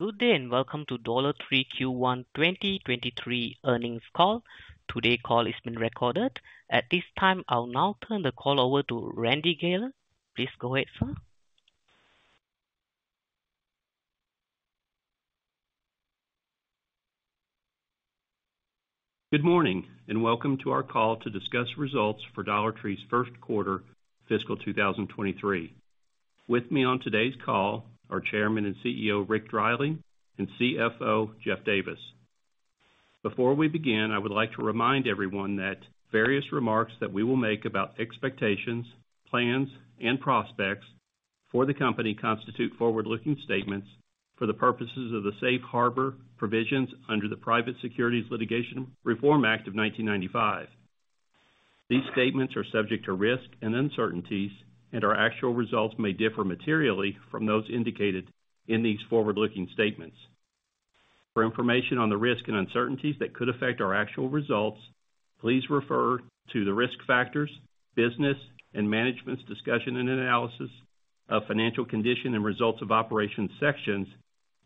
Good day, and welcome to Dollar Tree Q1 2023 earnings call. Call is being recorded. At this time, I'll now turn the call over to Randy Guiler. Please go ahead, sir. Good morning, and welcome to our call to discuss results for Dollar Tree's first quarter fiscal 2023. With me on today's call are Chairman and CEO, Rick Dreiling, and CFO, Jeff Davis. Before we begin, I would like to remind everyone that various remarks that we will make about expectations, plans, and prospects for the company constitute forward-looking statements for the purposes of the safe harbor provisions under the Private Securities Litigation Reform Act of 1995. These statements are subject to risks and uncertainties, and our actual results may differ materially from those indicated in these forward-looking statements. For information on the risks and uncertainties that could affect our actual results, please refer to the Risk Factors, Business and Management's Discussion and Analysis of Financial Condition and Results of Operations sections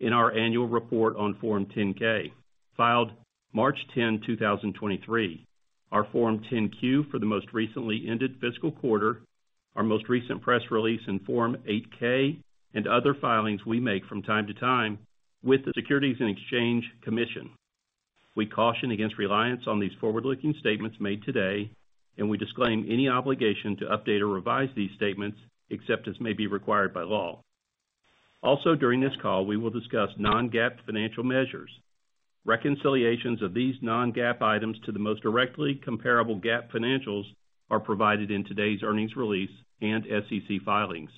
in our annual report on Form 10-K, filed March 10th, 2023, our Form 10-Q for the most recently ended fiscal quarter, our most recent press release in Form 8-K, and other filings we make from time to time with the Securities and Exchange Commission. We caution against reliance on these forward-looking statements made today, and we disclaim any obligation to update or revise these statements, except as may be required by law. Also, during this call, we will discuss non-GAAP financial measures. Reconciliations of these non-GAAP items to the most directly comparable GAAP financials are provided in today's earnings release and SEC filings.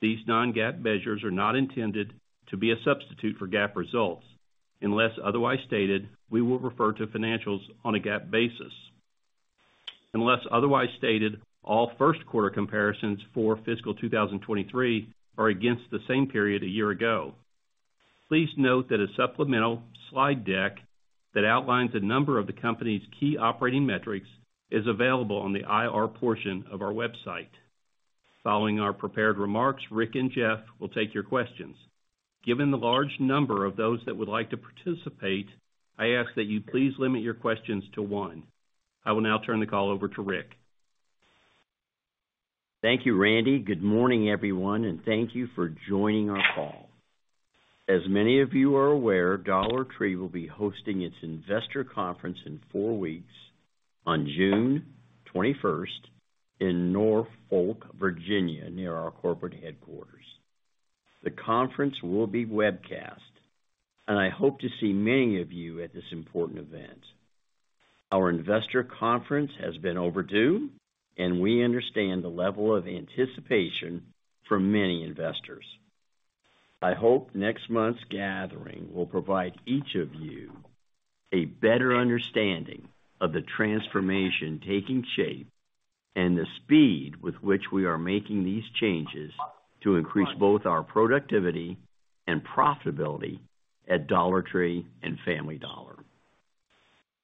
These non-GAAP measures are not intended to be a substitute for GAAP results. Unless otherwise stated, we will refer to financials on a GAAP basis. Unless otherwise stated, all first quarter comparisons for fiscal 2023 are against the same period a year ago. Please note that a supplemental slide deck that outlines a number of the company's key operating metrics is available on the IR portion of our website. Following our prepared remarks, Rick and Jeff will take your questions. Given the large number of those that would like to participate, I ask that you please limit your questions to one. I will now turn the call over to Rick. Thank you, Randy. Good morning, everyone, and thank you for joining our call. As many of you are aware, Dollar Tree will be hosting its investor conference in four weeks, on June 21st in Norfolk, Virginia, near our corporate headquarters. The conference will be webcast, and I hope to see many of you at this important event. Our investor conference has been overdue, and we understand the level of anticipation from many investors. I hope next month's gathering will provide each of you a better understanding of the transformation taking shape and the speed with which we are making these changes to increase both our productivity and profitability at Dollar Tree and Family Dollar.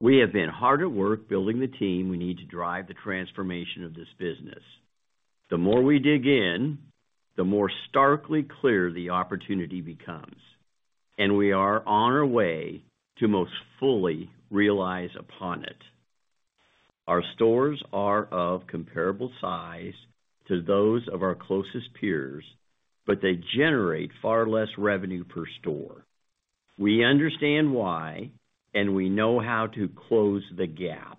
We have been hard at work building the team we need to drive the transformation of this business. The more we dig in, the more starkly clear the opportunity becomes. We are on our way to most fully realize upon it. Our stores are of comparable size to those of our closest peers. They generate far less revenue per store. We understand why. We know how to close the gap.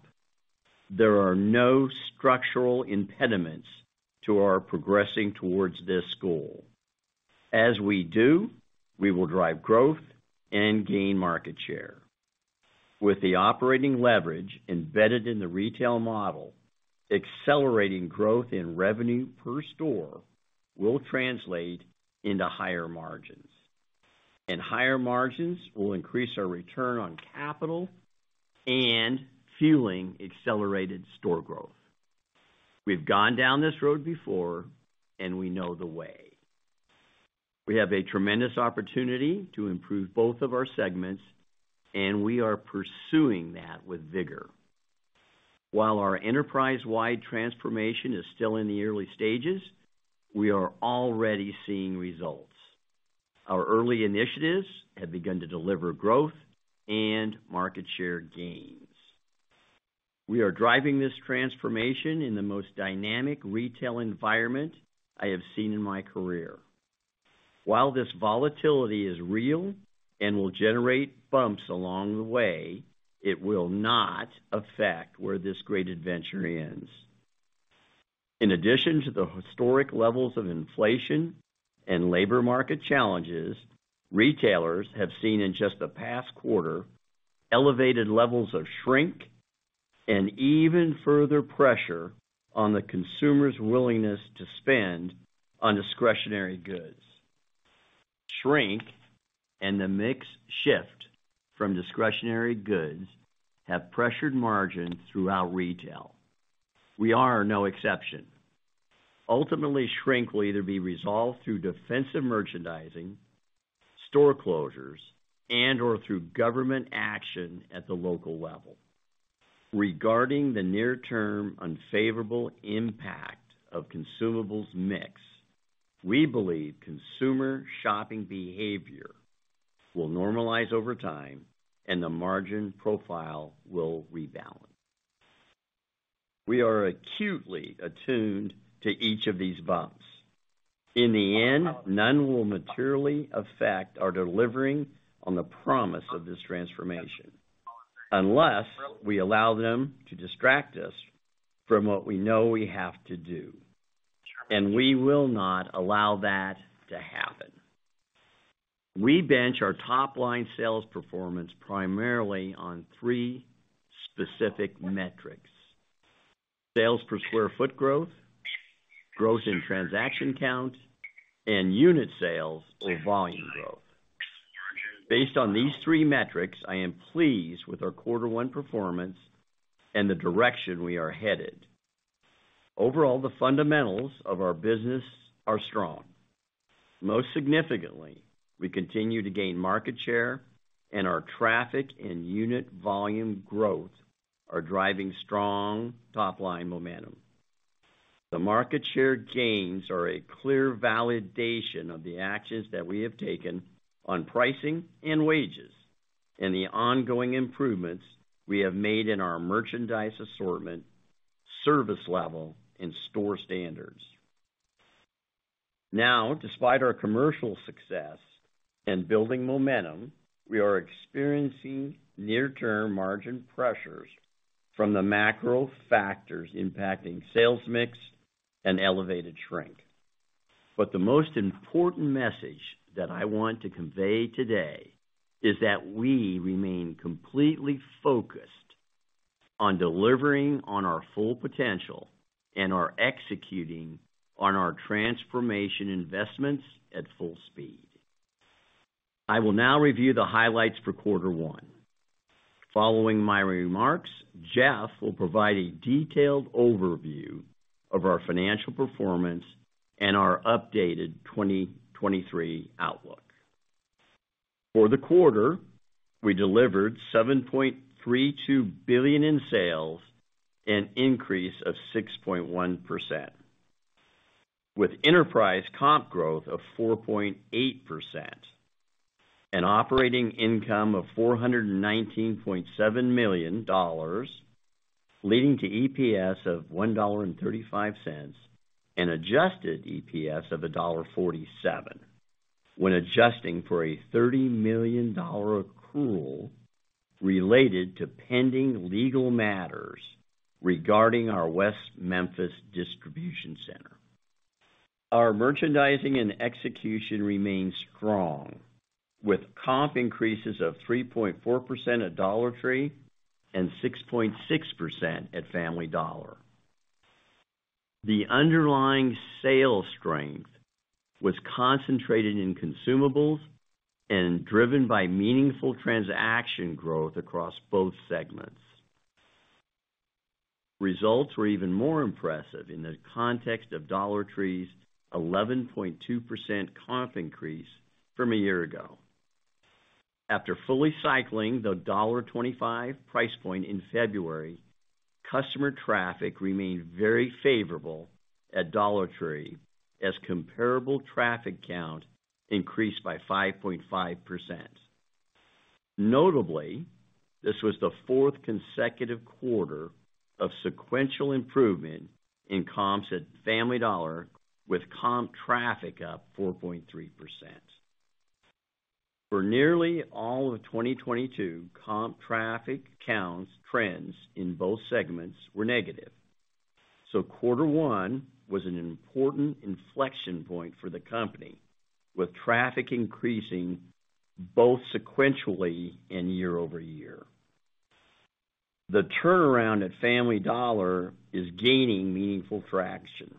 There are no structural impediments to our progressing towards this goal. As we do, we will drive growth and gain market share. With the operating leverage embedded in the retail model, accelerating growth in revenue per store will translate into higher margins. Higher margins will increase our return on capital and fueling accelerated store growth. We've gone down this road before. We know the way. We have a tremendous opportunity to improve both of our segments. We are pursuing that with vigor. While our enterprise-wide transformation is still in the early stages, we are already seeing results. Our early initiatives have begun to deliver growth and market share gains. We are driving this transformation in the most dynamic retail environment I have seen in my career. While this volatility is real and will generate bumps along the way, it will not affect where this great adventure ends. In addition to the historic levels of inflation and labor market challenges, retailers have seen in just the past quarter, elevated levels of shrink and even further pressure on the consumer's willingness to spend on discretionary goods. Shrink and the mix shift from discretionary goods have pressured margins throughout retail. We are no exception. Ultimately, shrink will either be resolved through defensive merchandising, store closures, and/or through government action at the local level. Regarding the near-term unfavorable impact of consumables mix, we believe consumer shopping behavior will normalize over time and the margin profile will rebalance. We are acutely attuned to each of these bumps. In the end, none will materially affect our delivering on the promise of this transformation, unless we allow them to distract us from what we know we have to do, and we will not allow that to happen. We bench our top-line sales performance primarily on three specific metrics: sales per square foot growth in transaction count, and unit sales or volume growth. Based on these three metrics, I am pleased with our quarter one performance and the direction we are headed. Overall, the fundamentals of our business are strong. Most significantly, we continue to gain market share, and our traffic and unit volume growth are driving strong top-line momentum. The market share gains are a clear validation of the actions that we have taken on pricing and wages, and the ongoing improvements we have made in our merchandise assortment, service level, and store standards. Despite our commercial success and building momentum, we are experiencing near-term margin pressures from the macro factors impacting sales mix and elevated shrink. The most important message that I want to convey today is that we remain completely focused on delivering on our full potential and are executing on our transformation investments at full speed. I will now review the highlights for quarter one. Following my remarks, Jeff will provide a detailed overview of our financial performance and our updated 2023 outlook. For the quarter, we delivered $7.32 billion in sales, an increase of 6.1%, with enterprise comp growth of 4.8%, an operating income of $419.7 million, leading to EPS of $1.35, and adjusted EPS of $1.47, when adjusting for a $30 million accrual related to pending legal matters regarding our West Memphis distribution center. Our merchandising and execution remains strong, with comp increases of 3.4% at Dollar Tree and 6.6% at Family Dollar. The underlying sales strength was concentrated in consumables and driven by meaningful transaction growth across both segments. Results were even more impressive in the context of Dollar Tree's 11.2% comp increase from a year ago. After fully cycling the $1.25 price point in February, customer traffic remained very favorable at Dollar Tree, as comparable traffic count increased by 5.5%. Notably, this was the fourth consecutive quarter of sequential improvement in comps at Family Dollar, with comp traffic up 4.3%. For nearly all of 2022, comp traffic counts trends in both segments were negative, so Q1 was an important inflection point for the company, with traffic increasing both sequentially and year-over-year. The turnaround at Family Dollar is gaining meaningful traction.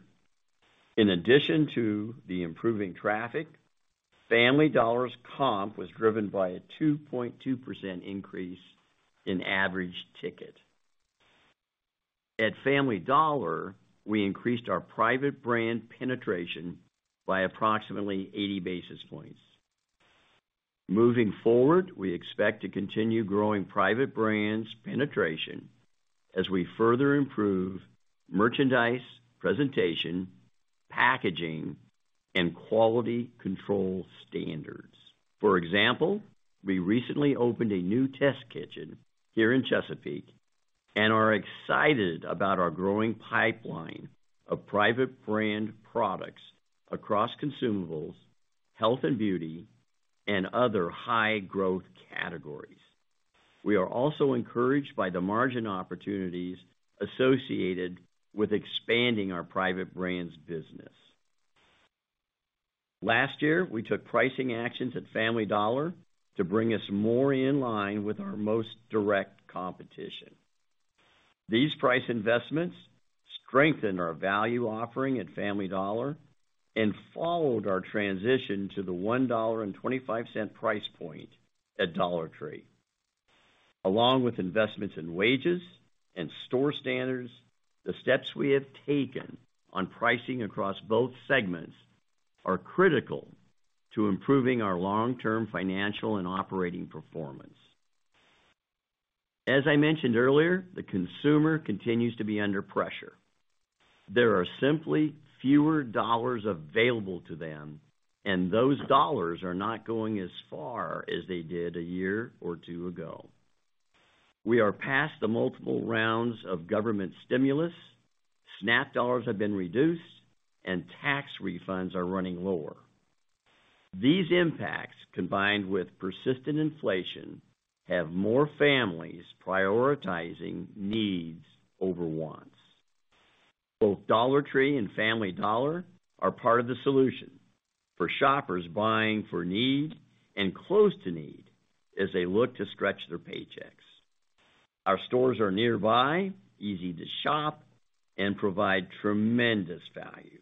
In addition to the improving traffic, Family Dollar's comp was driven by a 2.2% increase in average ticket. At Family Dollar, we increased our private brand penetration by approximately 80 basis points. Moving forward, we expect to continue growing private brands penetration as we further improve merchandise, presentation, packaging, and quality control standards. For example, we recently opened a new test kitchen here in Chesapeake and are excited about our growing pipeline of private brand products across consumables, health and beauty, and other high-growth categories. We are also encouraged by the margin opportunities associated with expanding our private brands business. Last year, we took pricing actions at Family Dollar to bring us more in line with our most direct competition. These price investments strengthened our value offering at Family Dollar and followed our transition to the $1.25 price point at Dollar Tree. Along with investments in wages and store standards, the steps we have taken on pricing across both segments are critical to improving our long-term financial and operating performance. As I mentioned earlier, the consumer continues to be under pressure. There are simply fewer dollars available to them, and those dollars are not going as far as they did a year or two ago. We are past the multiple rounds of government stimulus, SNAP dollars have been reduced, and tax refunds are running lower. These impacts, combined with persistent inflation, have more families prioritizing needs over wants. Both Dollar Tree and Family Dollar are part of the solution for shoppers buying for need and close to need as they look to stretch their paychecks. Our stores are nearby, easy to shop, and provide tremendous value.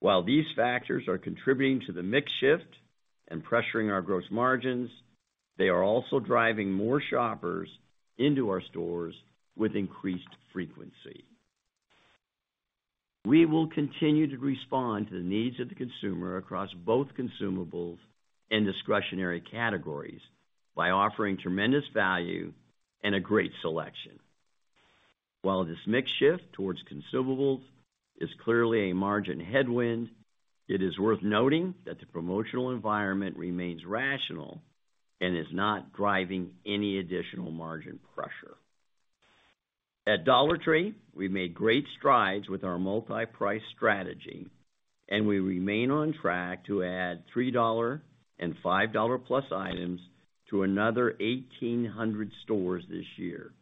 While these factors are contributing to the mix shift and pressuring our gross margins, they are also driving more shoppers into our stores with increased frequency. We will continue to respond to the needs of the consumer across both consumables and discretionary categories by offering tremendous value and a great selection. While this mix shift towards consumables is clearly a margin headwind, it is worth noting that the promotional environment remains rational and is not driving any additional margin pressure. At Dollar Tree, we made great strides with our multi-price strategy, and we remain on track to add $3 and $5 Plus items to another 1,800 stores this year.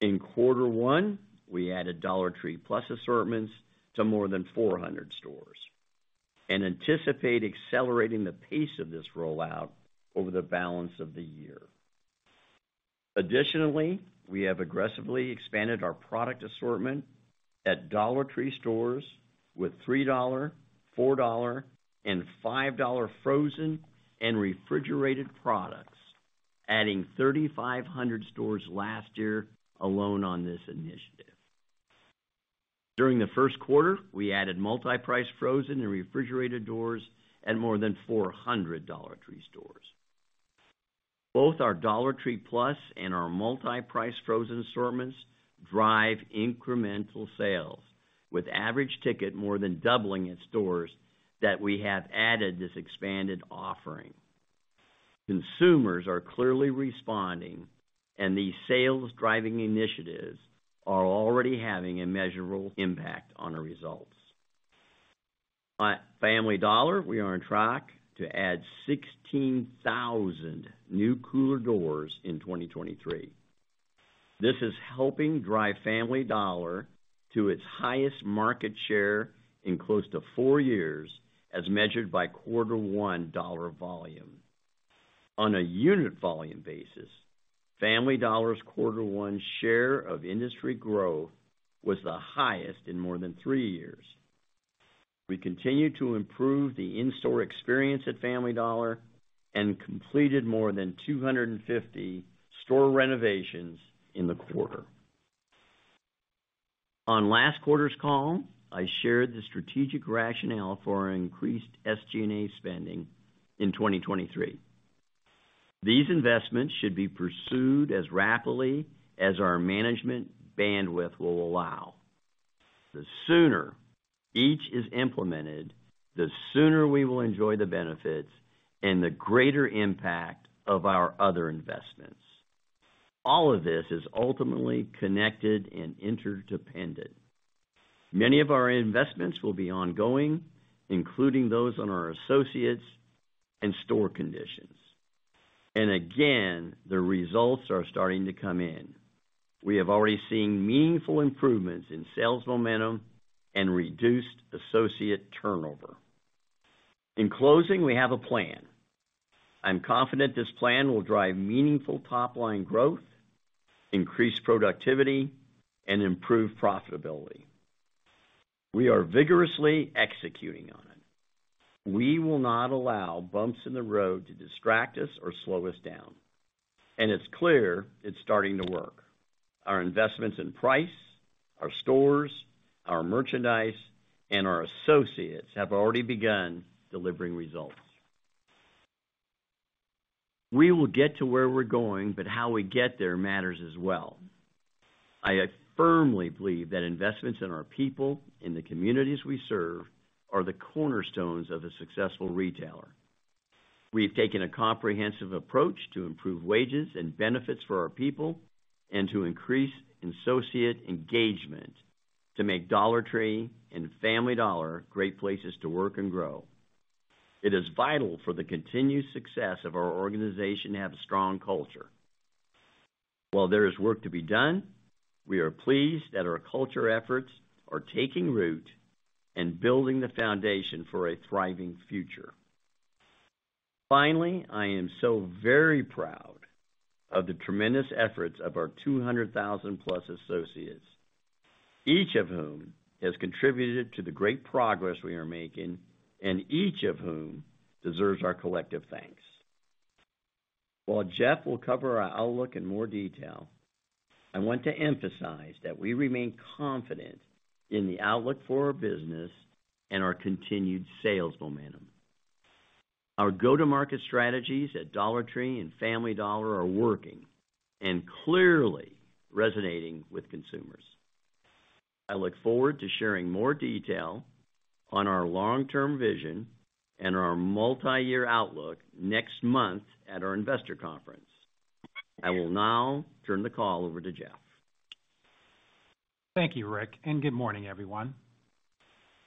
In Q1, we added Dollar Tree Plus assortments to more than 400 stores and anticipate accelerating the pace of this rollout over the balance of the year. Additionally, we have aggressively expanded our product assortment at Dollar Tree stores with $3, $4, and $5 frozen and refrigerated products, adding 3,500 stores last year alone on this initiative. During the first quarter, we added multi-price frozen and refrigerated doors at more than 400 Dollar Tree stores. Both our Dollar Tree Plus and our multi-price frozen assortments drive incremental sales, with average ticket more than doubling in stores that we have added this expanded offering. Consumers are clearly responding, these sales-driving initiatives are already having a measurable impact on our results. At Family Dollar, we are on track to add 16,000 new cooler doors in 2023. This is helping drive Family Dollar to its highest market share in close to four years, as measured by Q1 dollar volume. On a unit volume basis, Family Dollar's Q1 share of industry growth was the highest in more than three years. We continue to improve the in-store experience at Family Dollar and completed more than 250 store renovations in the quarter. On last quarter's call, I shared the strategic rationale for our increased SG&A spending in 2023. These investments should be pursued as rapidly as our management bandwidth will allow. The sooner each is implemented, the sooner we will enjoy the benefits and the greater impact of our other investments. All of this is ultimately connected and interdependent. Many of our investments will be ongoing, including those on our associates and store conditions. Again, the results are starting to come in. We have already seen meaningful improvements in sales momentum and reduced associate turnover. In closing, we have a plan. I'm confident this plan will drive meaningful top-line growth, increase productivity, and improve profitability. We are vigorously executing on it. We will not allow bumps in the road to distract us or slow us down, and it's clear it's starting to work. Our investments in price, our stores, our merchandise, and our associates have already begun delivering results. We will get to where we're going, but how we get there matters as well. I firmly believe that investments in our people, in the communities we serve, are the cornerstones of a successful retailer. We have taken a comprehensive approach to improve wages and benefits for our people and to increase associate engagement, to make Dollar Tree and Family Dollar great places to work and grow. It is vital for the continued success of our organization to have a strong culture. While there is work to be done, we are pleased that our culture efforts are taking root and building the foundation for a thriving future. Finally, I am so very proud of the tremendous efforts of our 200,000-plus associates, each of whom has contributed to the great progress we are making, and each of whom deserves our collective thanks. While Jeff will cover our outlook in more detail, I want to emphasize that we remain confident in the outlook for our business and our continued sales momentum. Our go-to-market strategies at Dollar Tree and Family Dollar are working and clearly resonating with consumers. I look forward to sharing more detail on our long-term vision and our multi-year outlook next month at our investor conference. I will now turn the call over to Jeff. Thank you, Rick. Good morning, everyone.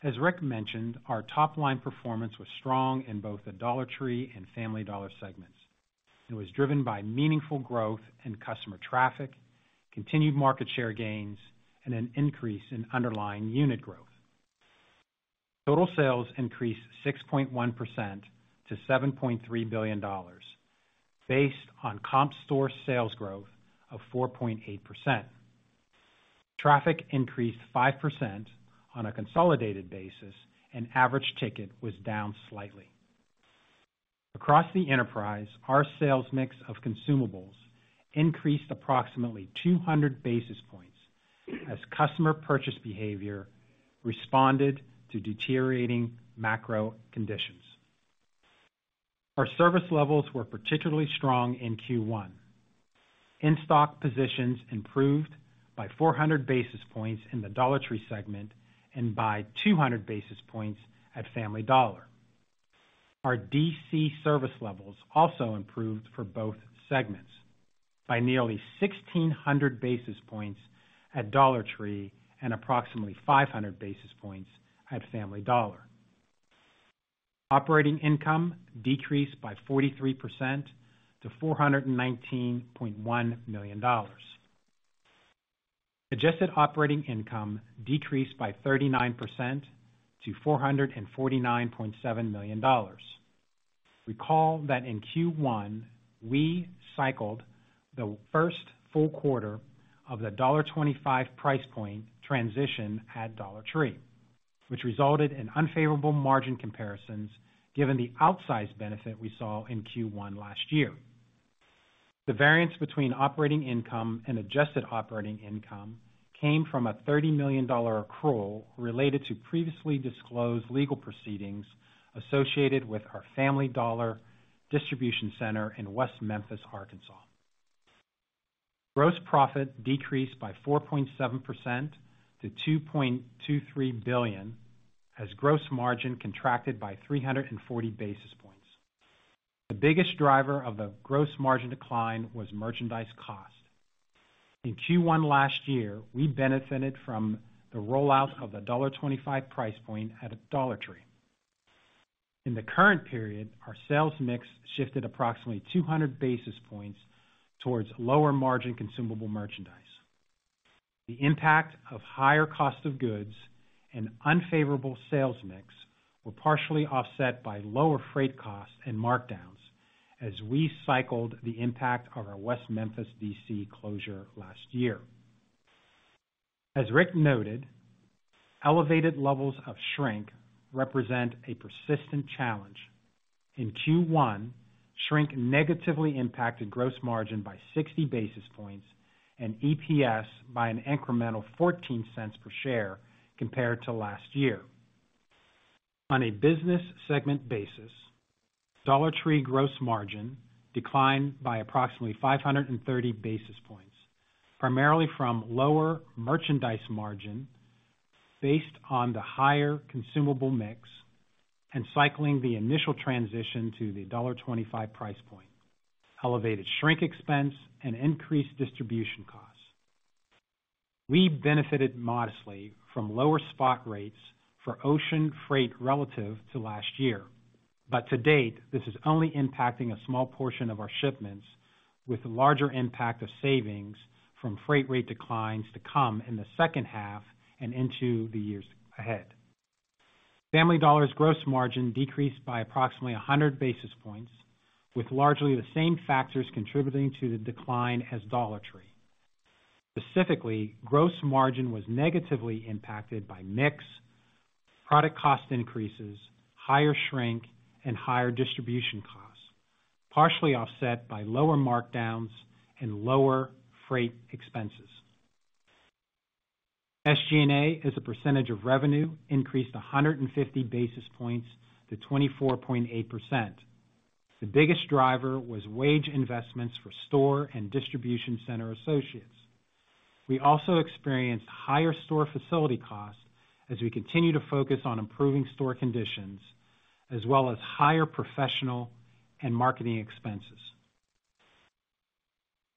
As Rick mentioned, our top-line performance was strong in both the Dollar Tree and Family Dollar segments, and was driven by meaningful growth in customer traffic, continued market share gains, and an increase in underlying unit growth. Total sales increased 6.1% to $7.3 billion, based on comp store sales growth of 4.8%. Traffic increased 5% on a consolidated basis, and average ticket was down slightly. Across the enterprise, our sales mix of consumables increased approximately 200 basis points as customer purchase behavior responded to deteriorating macro conditions. Our service levels were particularly strong in Q1. In-stock positions improved by 400 basis points in the Dollar Tree segment and by 200 basis points at Family Dollar. Our DC service levels also improved for both segments by nearly 1,600 basis points at Dollar Tree and approximately 500 basis points at Family Dollar. Operating income decreased by 43% to $419.1 million. Adjusted operating income decreased by 39% to $449.7 million. Recall that in Q1, we cycled the first full quarter of the $1.25 price point transition at Dollar Tree, which resulted in unfavorable margin comparisons, given the outsized benefit we saw in Q1 last year. The variance between operating income and adjusted operating income came from a $30 million accrual related to previously disclosed legal proceedings associated with our Family Dollar distribution center in West Memphis, Arkansas. Gross profit decreased by 4.7% to $2.23 billion, as gross margin contracted by 340 basis points. The biggest driver of the gross margin decline was merchandise cost. In Q1 last year, we benefited from the rollout of the $1.25 price point at Dollar Tree. In the current period, our sales mix shifted approximately 200 basis points towards lower-margin consumable merchandise. The impact of higher cost of goods and unfavorable sales mix were partially offset by lower freight costs and markdowns as we cycled the impact of our West Memphis DC closure last year. As Rick noted, elevated levels of shrink represent a persistent challenge. In Q1, shrink negatively impacted gross margin by 60 basis points and EPS by an incremental $0.14 per share compared to last year. On a business segment basis, Dollar Tree gross margin declined by approximately 530 basis points, primarily from lower merchandise margin based on the higher consumable mix and cycling the initial transition to the $1.25 price point, elevated shrink expense and increased distribution costs. We benefited modestly from lower spot rates for ocean freight relative to last year, but to date, this is only impacting a small portion of our shipments, with the larger impact of savings from freight rate declines to come in the second half and into the years ahead. Family Dollar's gross margin decreased by approximately 100 basis points, with largely the same factors contributing to the decline as Dollar Tree. Specifically, gross margin was negatively impacted by mix, product cost increases, higher shrink, and higher distribution costs, partially offset by lower markdowns and lower freight expenses. SG&A, as a percentage of revenue, increased 150 basis points to 24.8%. The biggest driver was wage investments for store and distribution center associates. We also experienced higher store facility costs as we continue to focus on improving store conditions, as well as higher professional and marketing expenses.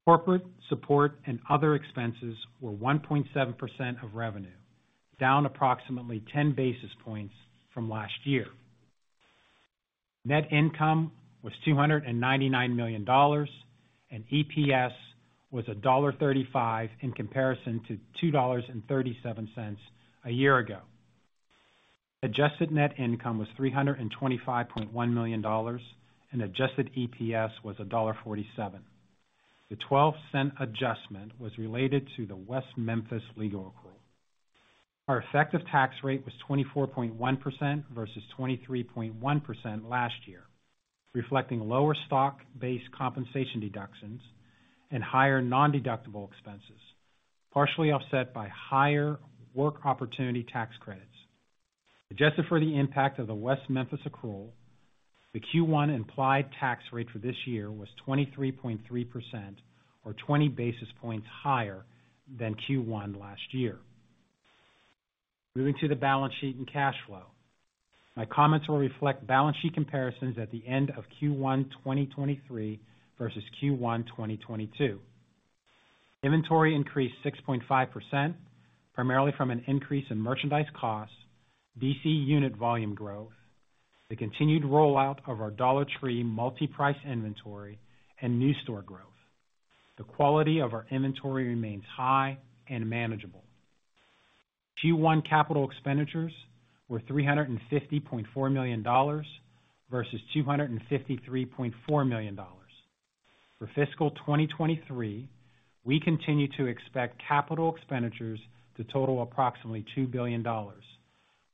Corporate support and other expenses were 1.7% of revenue, down approximately 10 basis points from last year. Net income was $299 million, and EPS was $1.35 in comparison to $2.37 a year ago. Adjusted net income was $325.1 million, and adjusted EPS was $1.47. The $0.12 adjustment was related to the West Memphis legal accrual... Our effective tax rate was 24.1% versus 23.1% last year, reflecting lower stock-based compensation deductions and higher nondeductible expenses, partially offset by higher work opportunity tax credits. Adjusted for the impact of the West Memphis accrual, the Q1 implied tax rate for this year was 23.3%, or 20 basis points higher than Q1 last year. Moving to the balance sheet and cash flow. My comments will reflect balance sheet comparisons at the end of Q1 2023 versus Q1 2022. Inventory increased 6.5%, primarily from an increase in merchandise costs, DC unit volume growth, the continued rollout of our Dollar Tree multi-price inventory, and new store growth. The quality of our inventory remains high and manageable. Q1 capital expenditures were $350.4 million versus $253.4 million. For fiscal 2023, we continue to expect capital expenditures to total approximately $2 billion,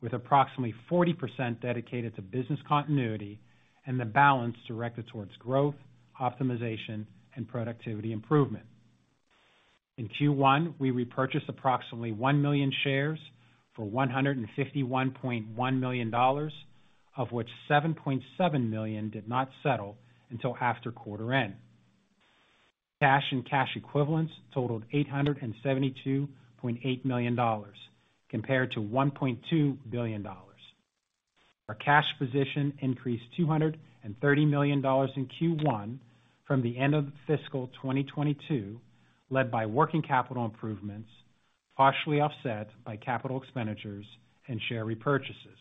with approximately 40% dedicated to business continuity, and the balance directed towards growth, optimization, and productivity improvement. In Q1, we repurchased approximately one million shares for $151.1 million, of which 7.7 million shares did not settle until after quarter end. Cash and cash equivalents totaled $872.8 million, compared to $1.2 billion. Our cash position increased $230 million in Q1 from the end of fiscal 2022, led by working capital improvements, partially offset by capital expenditures and share repurchases.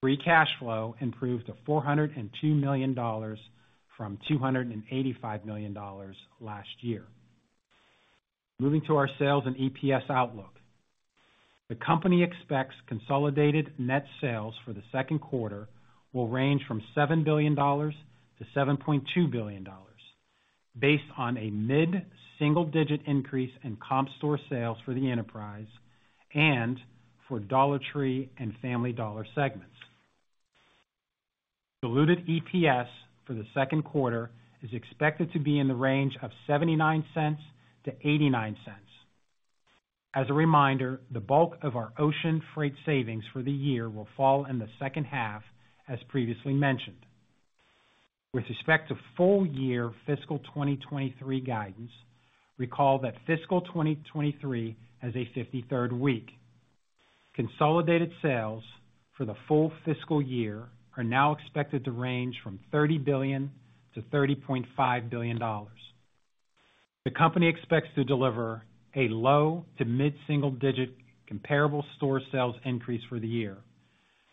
Free cash flow improved to $402 million from $285 million last year. Moving to our sales and EPS outlook. The company expects consolidated net sales for the second quarter will range from $7 billion-$7.2 billion, based on a mid-single-digit increase in comp store sales for the enterprise and for Dollar Tree and Family Dollar segments. Diluted EPS for the second quarter is expected to be in the range of $0.79-$0.89. As a reminder, the bulk of our ocean freight savings for the year will fall in the second half, as previously mentioned. With respect to full-year fiscal 2023 guidance, recall that fiscal 2023 has a 53rd week. Consolidated sales for the full fiscal year are now expected to range from $30 billion-$30.5 billion. The company expects to deliver a low to mid-single digit comparable store sales increase for the year,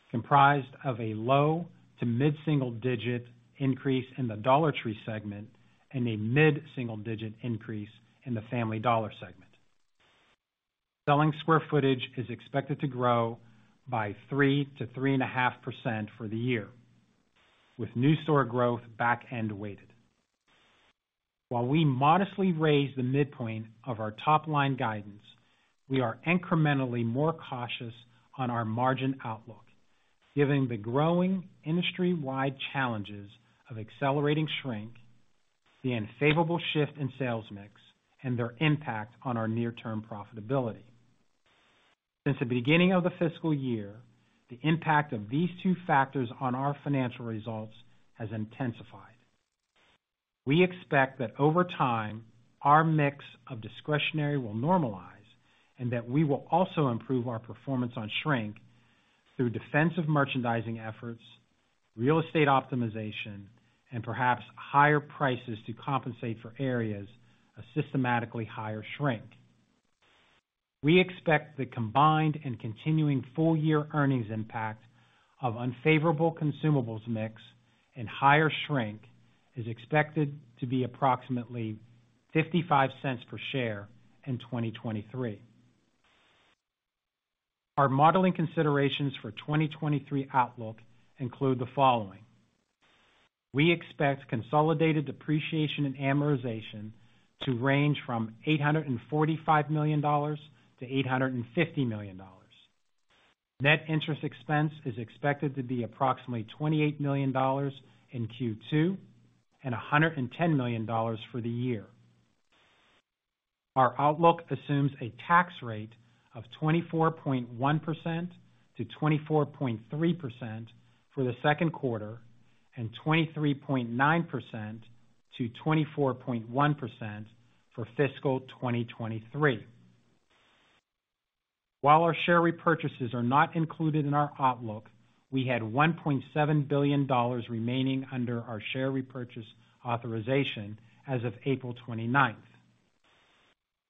comprised of a low to mid-single digit increase in the Dollar Tree segment and a mid-single digit increase in the Family Dollar segment. Selling square footage is expected to grow by 3%-3.5% for the year, with new store growth back-end weighted. While we modestly raise the midpoint of our top line guidance, we are incrementally more cautious on our margin outlook, given the growing industry-wide challenges of accelerating shrink, the unfavorable shift in sales mix, and their impact on our near-term profitability. Since the beginning of the fiscal year, the impact of these two factors on our financial results has intensified. We expect that over time, our mix of discretionary will normalize, and that we will also improve our performance on shrink through defensive merchandising efforts, real estate optimization, and perhaps higher prices to compensate for areas of systematically higher shrink. We expect the combined and continuing full-year earnings impact of unfavorable consumables mix and higher shrink is expected to be approximately $0.55 per share in 2023. Our modeling considerations for 2023 outlook include the following: We expect consolidated depreciation and amortization to range from $845 million-$850 million. Net interest expense is expected to be approximately $28 million in Q2, and $110 million for the year. Our outlook assumes a tax rate of 24.1%-24.3% for the second quarter, and 23.9%-24.1% for fiscal 2023. While our share repurchases are not included in our outlook, we had $1.7 billion remaining under our share repurchase authorization as of April 29th.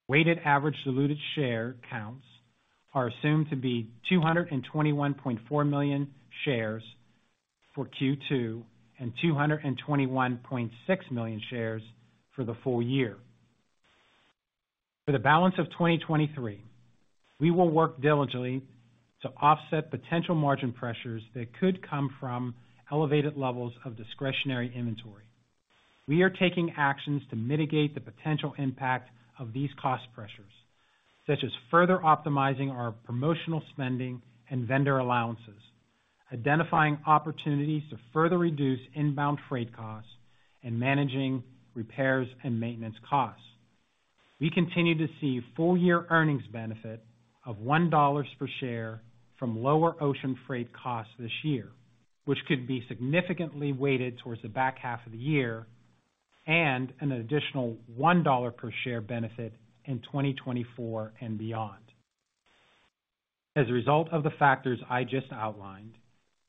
Weighted average diluted share counts are assumed to be 221.4 million shares for Q2, and 221.6 million shares for the full year. For the balance of 2023, we will work diligently to offset potential margin pressures that could come from elevated levels of discretionary inventory. We are taking actions to mitigate the potential impact of these cost pressures, such as further optimizing our promotional spending and vendor allowances, identifying opportunities to further reduce inbound freight costs, and managing repairs and maintenance costs. We continue to see full-year earnings benefit of $1 per share from lower ocean freight costs this year, which could be significantly weighted towards the back half of the year, and an additional $1 per share benefit in 2024 and beyond. As a result of the factors I just outlined,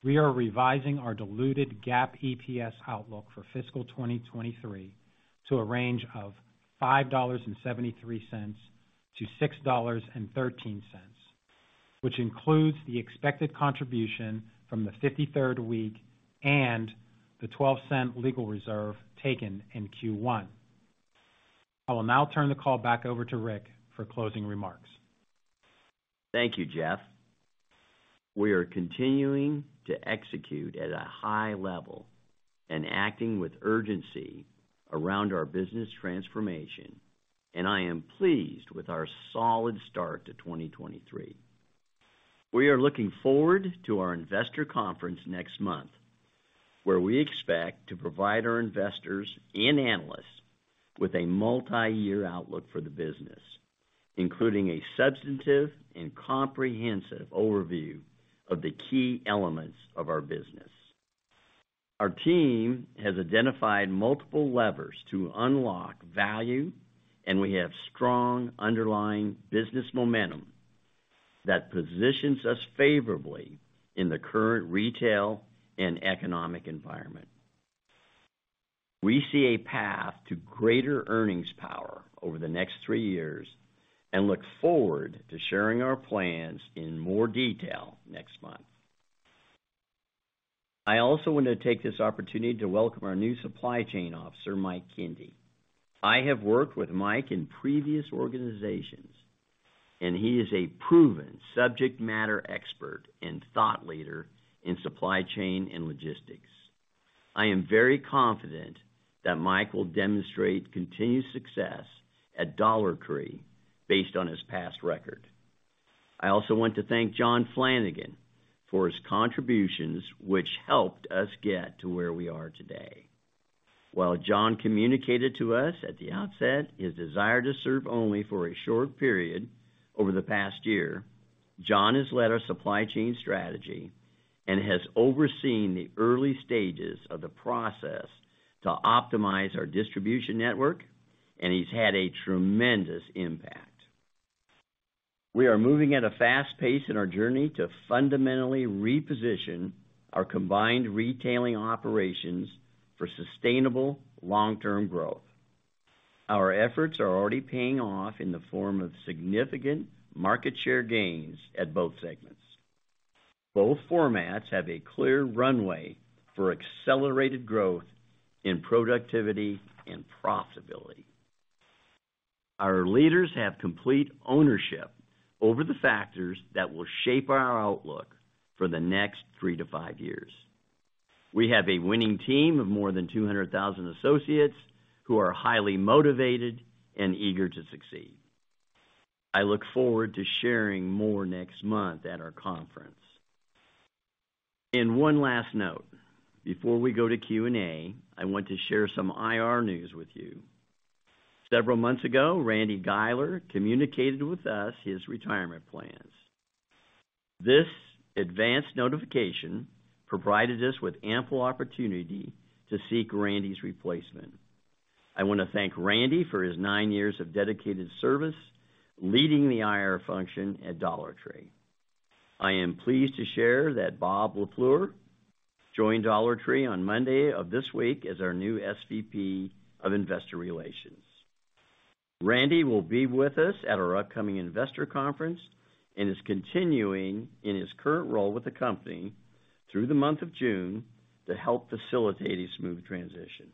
we are revising our diluted GAAP EPS outlook for fiscal 2023 to a range of $5.73-$6.13, which includes the expected contribution from the 53rd week and the $0.12 legal reserve taken in Q1. I will now turn the call back over to Rick for closing remarks. Thank you, Jeff. We are continuing to execute at a high level and acting with urgency around our business transformation, and I am pleased with our solid start to 2023. We are looking forward to our investor conference next month, where we expect to provide our investors and analysts with a multiyear outlook for the business, including a substantive and comprehensive overview of the key elements of our business. Our team has identified multiple levers to unlock value, and we have strong underlying business momentum that positions us favorably in the current retail and economic environment. We see a path to greater earnings power over the next three years and look forward to sharing our plans in more detail next month. I also want to take this opportunity to welcome our new supply chain officer, Mike Kindy. I have worked with Mike in previous organizations, and he is a proven subject matter expert and thought leader in supply chain and logistics. I am very confident that Mike will demonstrate continued success at Dollar Tree based on his past record. I also want to thank John Flanigan for his contributions, which helped us get to where we are today. While John communicated to us at the outset his desire to serve only for a short period over the past year, John has led our supply chain strategy and has overseen the early stages of the process to optimize our distribution network, and he's had a tremendous impact. We are moving at a fast pace in our journey to fundamentally reposition our combined retailing operations for sustainable long-term growth. Our efforts are already paying off in the form of significant market share gains at both segments. Both formats have a clear runway for accelerated growth in productivity and profitability. Our leaders have complete ownership over the factors that will shape our outlook for the next three to five years. We have a winning team of more than 200,000 associates who are highly motivated and eager to succeed. One last note, before we go to Q&A, I want to share some IR news with you. Several months ago, Randy Guiler communicated with us his retirement plans. This advanced notification provided us with ample opportunity to seek Randy's replacement. I want to thank Randy for his nine years of dedicated service, leading the IR function at Dollar Tree. I am pleased to share that Bob LaFleur joined Dollar Tree on Monday of this week as our new SVP of Investor Relations. Randy will be with us at our upcoming investor conference and is continuing in his current role with the company through the month of June to help facilitate a smooth transition.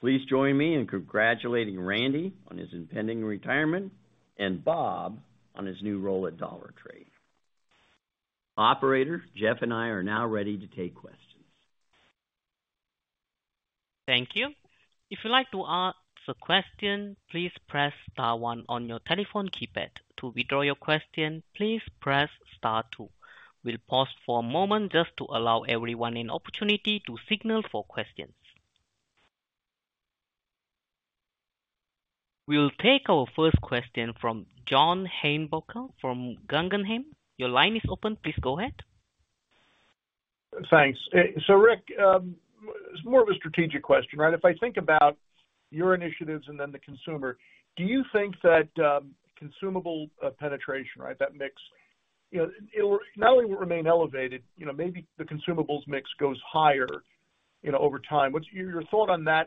Please join me in congratulating Randy on his impending retirement and Bob on his new role at Dollar Tree. Operator, Jeff and I are now ready to take questions. Thank you. If you'd like to ask a question, please press star one on your telephone keypad. To withdraw your question, please press star two. We'll pause for a moment just to allow everyone an opportunity to signal for questions. We'll take our first question from John Heinbockel from Guggenheim. Your line is open. Please go ahead. Thanks. Rick, it's more of a strategic question, right? If I think about your initiatives and then the consumer, do you think that consumable penetration, right, that mix, you know, not only will it remain elevated, you know, maybe the consumables mix goes higher, you know, over time. What's your thought on that?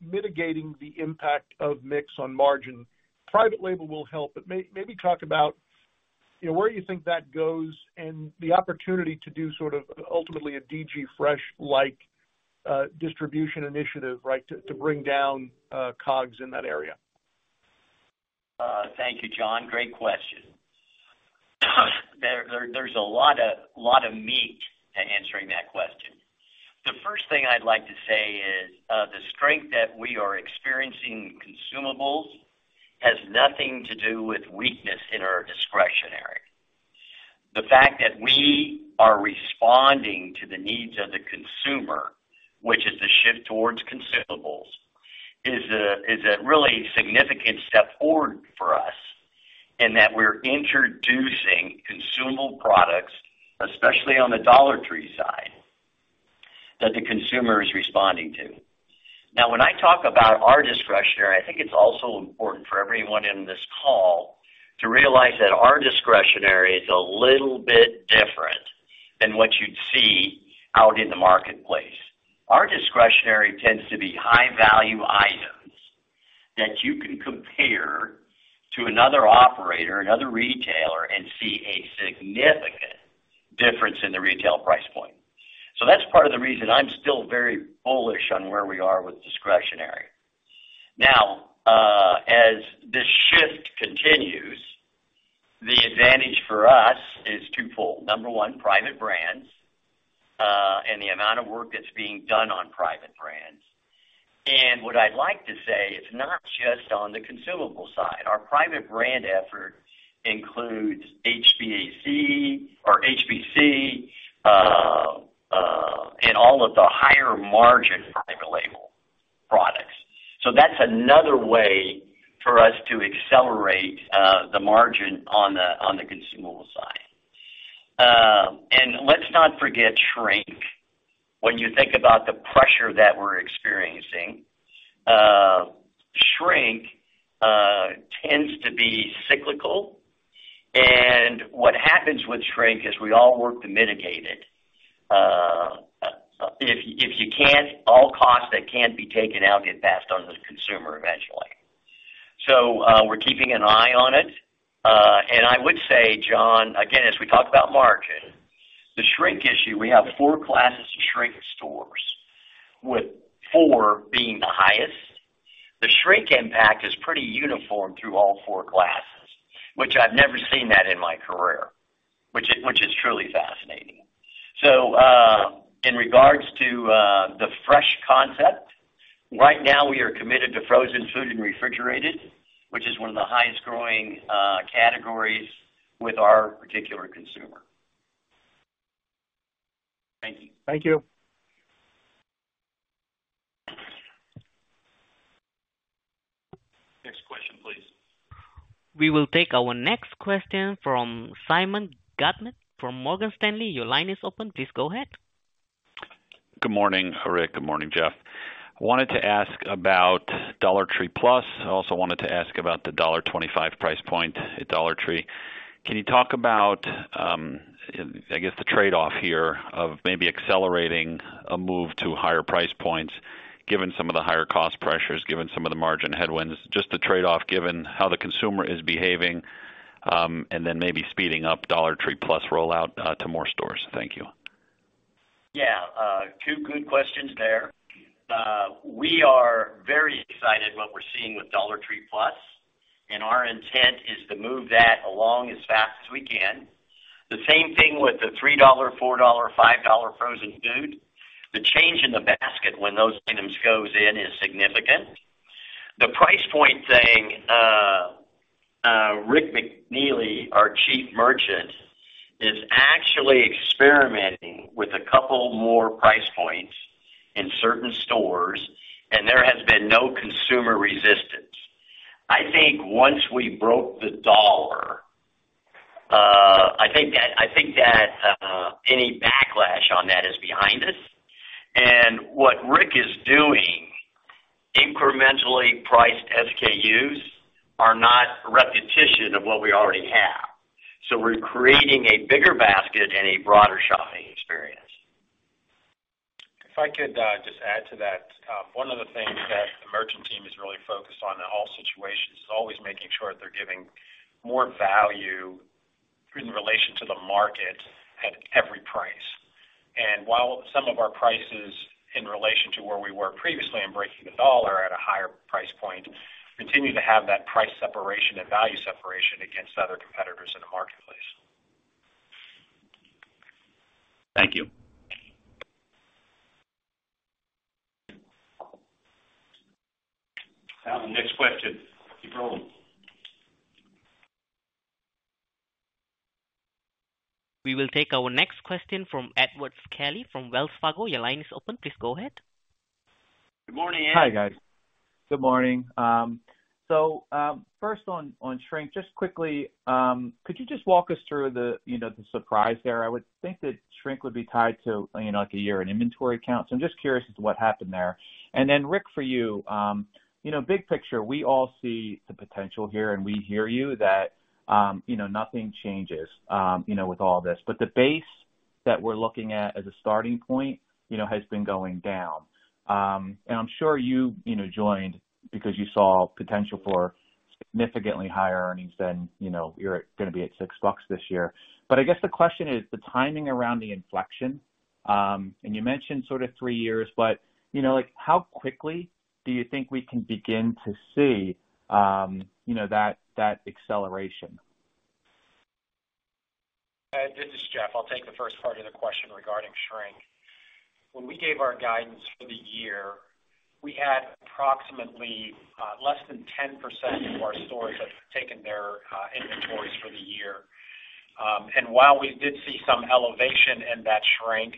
Mitigating the impact of mix on margin. Private label will help, but maybe talk about, you know, where you think that goes and the opportunity to do sort of ultimately a DG Fresh-like distribution initiative, right, to bring down COGS in that area. Thank you, John. Great question. ...There's a lot of meat to answering that question. The first thing I'd like to say is, the strength that we are experiencing in consumables has nothing to do with weakness in our discretionary. The fact that we are responding to the needs of the consumer, which is the shift towards consumables, is a really significant step forward for us, in that we're introducing consumable products, especially on the Dollar Tree side, that the consumer is responding to. When I talk about our discretionary, I think it's also important for everyone in this call to realize that our discretionary is a little bit different than what you'd see out in the marketplace. Our discretionary tends to be high-value items that you can compare to another operator, another retailer, and see a significant difference in the retail price point. That's part of the reason I'm still very bullish on where we are with discretionary. Now, as this shift continues, the advantage for us is twofold. Number one, private brands, and the amount of work that's being done on private brands. What I'd like to say, it's not just on the consumable side. Our private brand effort includes HVAC or HBC, and all of the higher-margin private label products. That's another way for us to accelerate the margin on the consumable side. Let's not forget shrink. When you think about the pressure that we're experiencing, shrink tends to be cyclical. What happens with shrink is we all work to mitigate it. If you can't, all costs that can't be taken out, get passed on to the consumer eventually. We're keeping an eye on it. I would say, John, again, as we talk about margin, the shrink issue, we have four classes of shrink stores, with four being the highest. The shrink impact is pretty uniform through all four classes, which I've never seen that in my career, which is truly fascinating. In regards to the fresh concept, right now, we are committed to frozen food and refrigerated, which is one of the highest-growing categories with our particular consumer. Thank you. Thank you. Next question, please. We will take our next question from Simeon Gutman from Morgan Stanley. Your line is open. Please go ahead. Good morning, Rick. Good morning, Jeff. I wanted to ask about Dollar Tree Plus. I also wanted to ask about the $1.25 price point at Dollar Tree. Can you talk about, I guess, the trade-off here of maybe accelerating a move to higher price points, given some of the higher cost pressures, given some of the margin headwinds, just the trade-off, given how the consumer is behaving, and then maybe speeding up Dollar Tree Plus rollout to more stores? Thank you. Yeah, two good questions there. We are very excited what we're seeing with Dollar Tree Plus, and our intent is to move that along as fast as we can. The same thing with the $3, $4, $5 frozen food. The change in the basket when those items goes in is significant. The price point thing, Richard McNeely, our Chief Merchant, is actually experimenting with a couple more price points in certain stores, and there has been no consumer resistance. I think once we broke the dollar, I think that any backlash on that is behind us. What Rick is doing, incrementally priced SKUs are not a repetition of what we already have. We're creating a bigger basket and a broader shopping experience. If I could, just add to that. One of the things that the merchant team is really focused on in all situations is always making sure that they're giving more value in relation to the market at every price. While some of our prices, in relation to where we were previously in breaking the dollar at a higher price point, continue to have that price separation and value separation against other competitors in the marketplace. Thank you. Next question. Keep rolling. We will take our next question from Edward Kelly from Wells Fargo. Your line is open. Please go ahead. Good morning, Ed. Hi, guys. Good morning. First on shrink, just quickly, could you just walk us through the, you know, the surprise there? I would think that shrink would be tied to, you know, like a year in inventory counts. I'm just curious as to what happened there. Rick, for you know, big picture, we all see the potential here, and we hear you that, you know, nothing changes, you know, with all this. The base that we're looking at as a starting point, you know, has been going down. I'm sure you know, joined because you saw potential for significantly higher earnings than, you know, you're gonna be at $6 this year. I guess the question is the timing around the inflection....You mentioned sort of three years, but, you know, like, how quickly do you think we can begin to see, you know, that acceleration? Ed, this is Jeff. I'll take the first part of the question regarding shrink. When we gave our guidance for the year, we had approximately less than 10% of our stores that have taken their inventories for the year. While we did see some elevation in that shrink,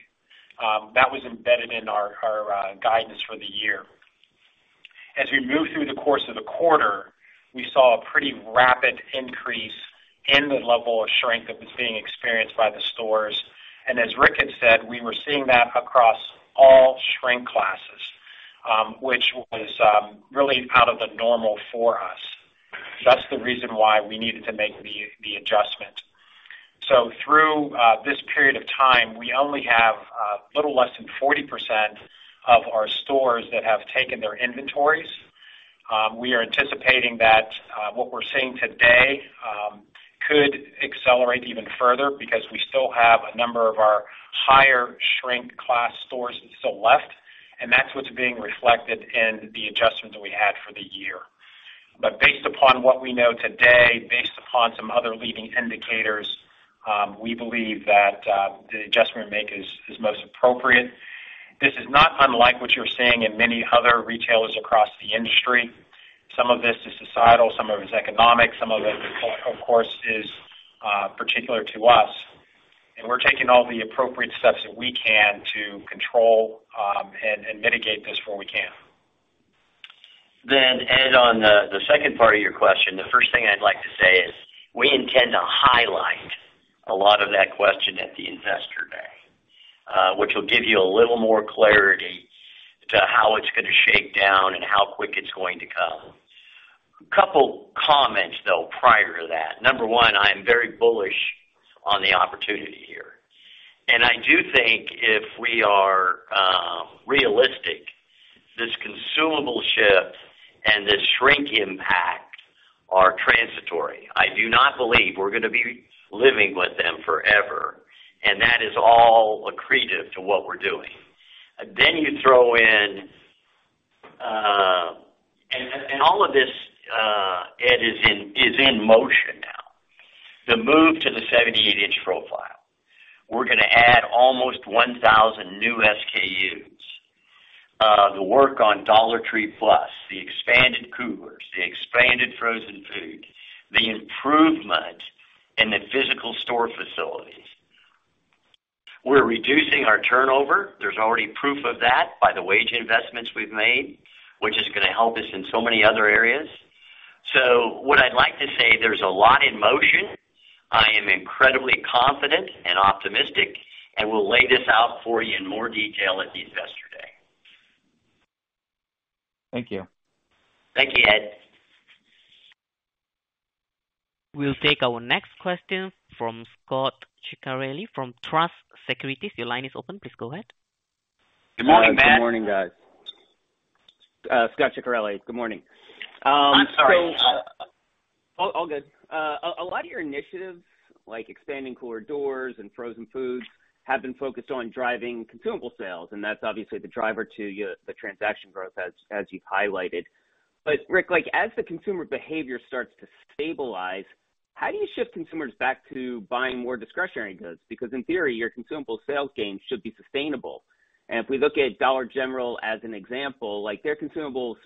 that was embedded in our guidance for the year. As we moved through the course of the quarter, we saw a pretty rapid increase in the level of shrink that was being experienced by the stores. As Rick had said, we were seeing that across all shrink classes, which was really out of the normal for us. That's the reason why we needed to make the adjustment. Through this period of time, we only have little less than 40% of our stores that have taken their inventories. We are anticipating that what we're seeing today could accelerate even further because we still have a number of our higher shrink class stores still left, and that's what's being reflected in the adjustment that we had for the year. Based upon what we know today, based upon some other leading indicators, we believe that the adjustment we make is most appropriate. This is not unlike what you're seeing in many other retailers across the industry. Some of this is societal, some of it is economic, some of it, of course, is particular to us, and we're taking all the appropriate steps that we can to control and mitigate this where we can. Ed, on the second part of your question, the first thing I'd like to say is, we intend to highlight a lot of that question at the Investor Day, which will give you a little more clarity to how it's gonna shake down and how quick it's going to come. A couple comments, though, prior to that. Number one, I'm very bullish on the opportunity here, and I do think if we are realistic, this consumable shift and this shrink impact are transitory. I do not believe we're gonna be living with them forever, and that is all accretive to what we're doing. You throw in. All of this, Ed, is in motion now. The move to the 78-inch profile, we're gonna add almost 1,000 new SKUs. The work on Dollar Tree Plus, the expanded coolers, the expanded frozen food, the improvement in the physical store facilities. We're reducing our turnover. There's already proof of that by the wage investments we've made, which is gonna help us in so many other areas. What I'd like to say, there's a lot in motion. I am incredibly confident and optimistic. We'll lay this out for you in more detail at the Investor Day. Thank you. Thank you, Ed. We'll take our next question from Scot Ciccarelli from Truist Securities. Your line is open. Please go ahead. Good morning, Matt. Good morning, guys. Scot Ciccarelli. Good morning. I'm sorry. All good. A lot of your initiatives, like expanding cooler doors and frozen foods, have been focused on driving consumable sales, that's obviously the driver to your, the transaction growth, as you've highlighted. Rick, like, as the consumer behavior starts to stabilize, how do you shift consumers back to buying more discretionary goods? Because in theory, your consumable sales gains should be sustainable. If we look at Dollar General as an example, like, their consumable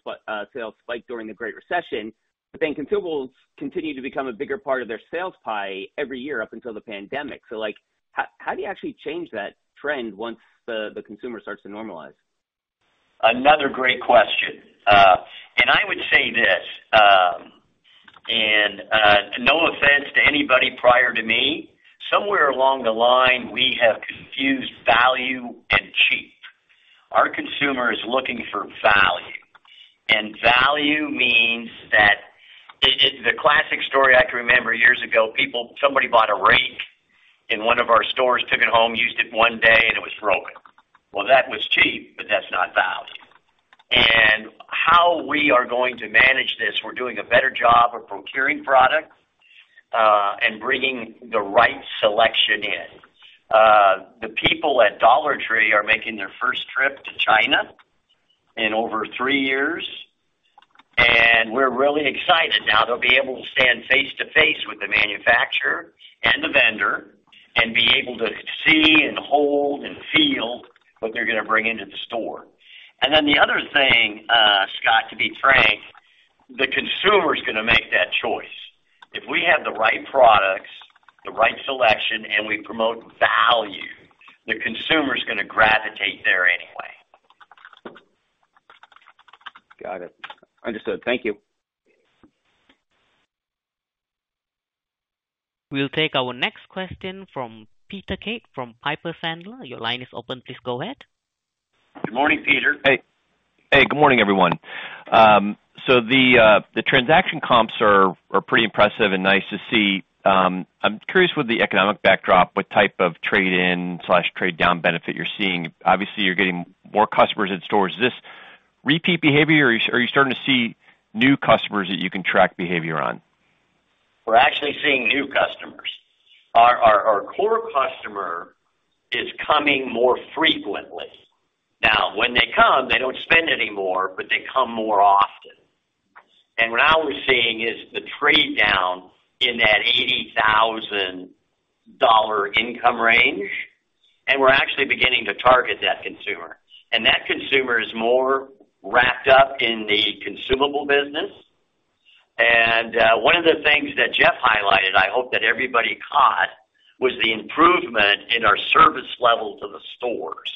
sales spiked during the Great Recession, then consumables continued to become a bigger part of their sales pie every year up until the pandemic. Like, how do you actually change that trend once the consumer starts to normalize? Another great question. I would say this, no offense to anybody prior to me, somewhere along the line, we have confused value and cheap. Our consumer is looking for value, and value means that. The classic story I can remember years ago, somebody bought a rake in one of our stores, took it home, used it one day, and it was broken. Well, that was cheap, but that's not value. How we are going to manage this, we're doing a better job of procuring product, and bringing the right selection in. The people at Dollar Tree are making their first trip to China in over three years, we're really excited. They'll be able to stand face to face with the manufacturer and the vendor and be able to see and hold and feel what they're gonna bring into the store. The other thing, Scott, to be frank, the consumer is gonna make that choice. If we have the right products, the right selection, and we promote value, the consumer is gonna gravitate there anyway. Got it. Understood. Thank you. We'll take our next question from Peter Keith from Piper Sandler. Your line is open. Please go ahead. Good morning, Peter. Hey. Hey, good morning, everyone. The transaction comps are pretty impressive and nice to see. I'm curious with the economic backdrop, what type of trade-in/trade-down benefit you're seeing. Obviously, you're getting more customers in stores. Is this repeat behavior, or are you starting to see new customers that you can track behavior on? We're actually seeing new customers. Our core customer is coming more frequently. Now, when they come, they don't spend any more, but they come more often. What now we're seeing is the trade down in that $80,000 income range, and we're actually beginning to target that consumer. That consumer is more wrapped up in the consumable business. One of the things that Jeff highlighted, I hope that everybody caught, was the improvement in our service levels of the stores,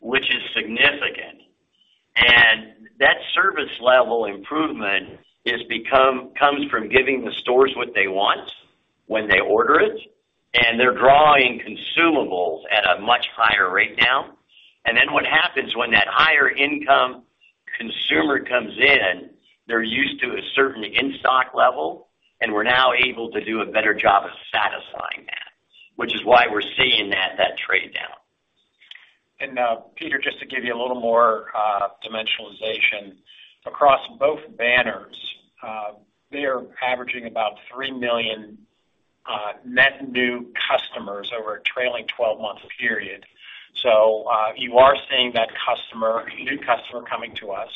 which is significant. That service level improvement comes from giving the stores what they want when they order it, and they're drawing consumables at a much higher rate now. What happens when that higher income consumer comes in, they're used to a certain in-stock level, and we're now able to do a better job of satisfying that, which is why we're seeing that trade down. Peter, just to give you a little more dimensionalization. Across both banners, they are averaging about three million net new customers over a trailing 12-month period. You are seeing that customer, a new customer coming to us.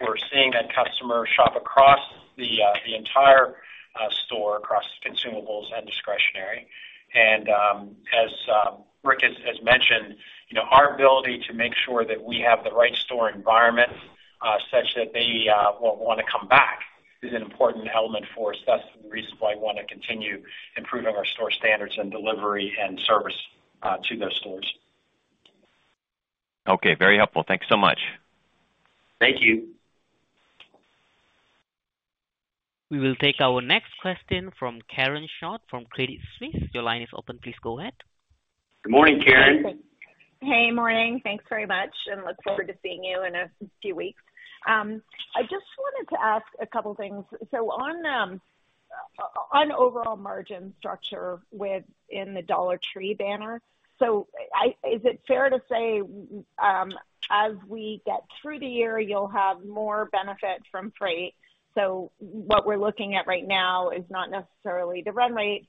We're seeing that customer shop across the entire store, across consumables and discretionary. As Rick has mentioned, you know, our ability to make sure that we have the right store environment, such that they will want to come back, is an important element for us. That's the reason why I want to continue improving our store standards and delivery and service to those stores. Okay, very helpful. Thanks so much. Thank you. We will take our next question from Karen Short, from Credit Suisse. Your line is open. Please go ahead. Good morning, Karen. Hey, morning. Thanks very much, and look forward to seeing you in a few weeks. I just wanted to ask a couple things. On overall margin structure within the Dollar Tree banner, is it fair to say, as we get through the year, you'll have more benefit from freight? What we're looking at right now is not necessarily the run rate,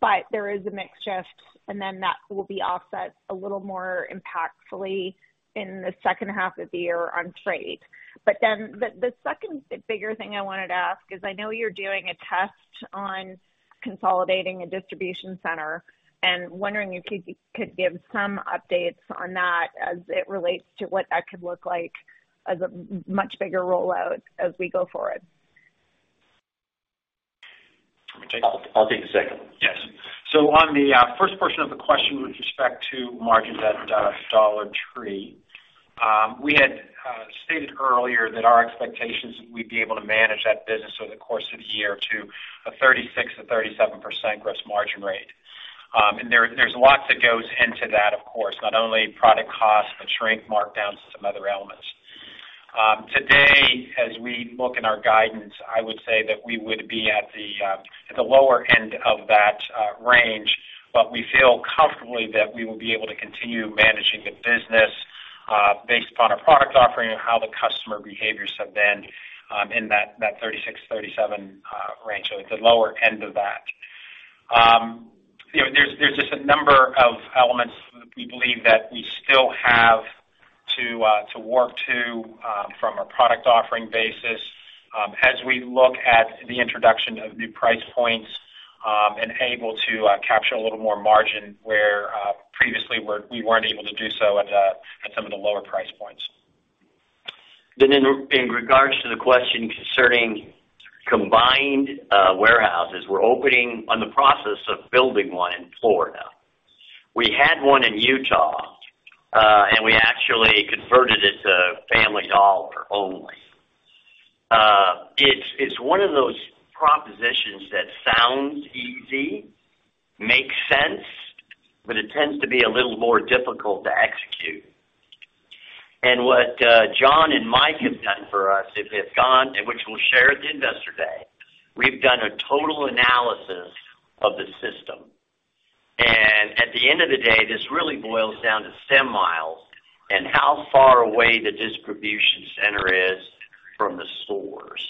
but there is a mix shift, and then that will be offset a little more impactfully in the second half of the year on trade. The second bigger thing I wanted to ask is, I know you're doing a test on consolidating a distribution center, and wondering if you could give some updates on that as it relates to what that could look like as a much bigger rollout as we go forward. I'll take the second one. Yes. On the first portion of the question with respect to margins at Dollar Tree, we had stated earlier that our expectations, we'd be able to manage that business over the course of the year to a 36%-37% gross margin rate. There's a lot that goes into that, of course, not only product cost, but shrink markdowns and some other elements. Today, as we look in our guidance, I would say that we would be at the lower end of that range, but we feel comfortably that we will be able to continue managing the business based upon our product offering and how the customer behaviors have been in that 36%, 37% range, so at the lower end of that.you know, there's just a number of elements that we believe that we still have to to work to from a product offering basis, as we look at the introduction of new price points, and able to capture a little more margin, where previously we weren't able to do so at some of the lower price points. In regards to the question concerning combined warehouses, we're opening on the process of building one in Florida. We had one in Utah, and we actually converted it to Family Dollar only. It's one of those propositions that sounds easy, makes sense, but it tends to be a little more difficult to execute. What John and Mike have done for us, is they've gone, and which we'll share at the Investor Day, we've done a total analysis of the system. At the end of the day, this really boils down to stem miles and how far away the distribution center is from the stores.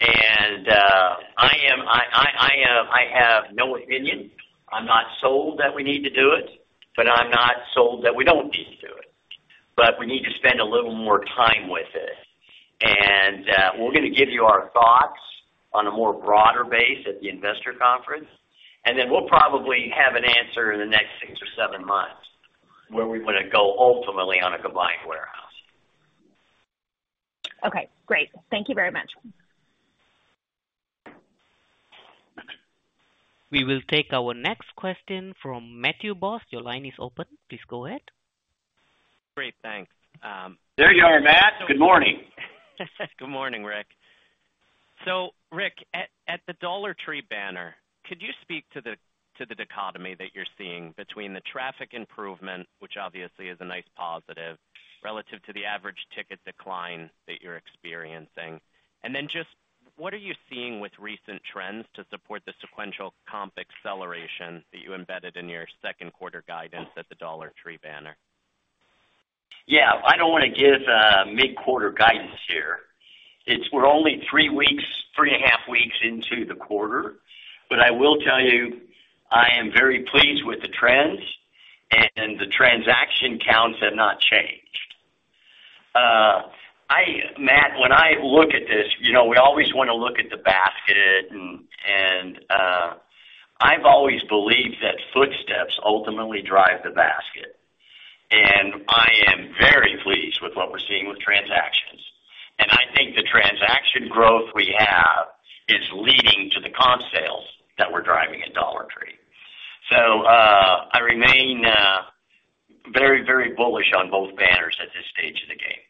I have no opinion. I'm not sold that we need to do it, but I'm not sold that we don't need to do it. We need to spend a little more time with it, and we're gonna give you our thoughts on a more broader base at the investor conference, and then we'll probably have an answer in the next six or seven months, where we want to go ultimately on a combined warehouse. Okay, great. Thank you very much. We will take our next question from Matthew Boss. Your line is open. Please go ahead. Great, thanks. There you are, Matt. Good morning. Good morning, Rick. Rick, at the Dollar Tree banner, could you speak to the dichotomy that you're seeing between the traffic improvement, which obviously is a nice positive, relative to the average ticket decline that you're experiencing? Just what are you seeing with recent trends to support the sequential comp acceleration that you embedded in your second quarter guidance at the Dollar Tree banner? Yeah, I don't want to give mid-quarter guidance here. We're only three weeks, three and a half weeks into the quarter, but I will tell you, I am very pleased with the trends and the transaction counts have not changed. I, Matt, when I look at this, you know, we always want to look at the basket and I've always believed that footsteps ultimately drive the basket. I am very pleased with what we're seeing with transactions. I think the transaction growth we have is leading to the comp sales that we're driving at Dollar Tree. I remain very, very bullish on both banners at this stage of the game.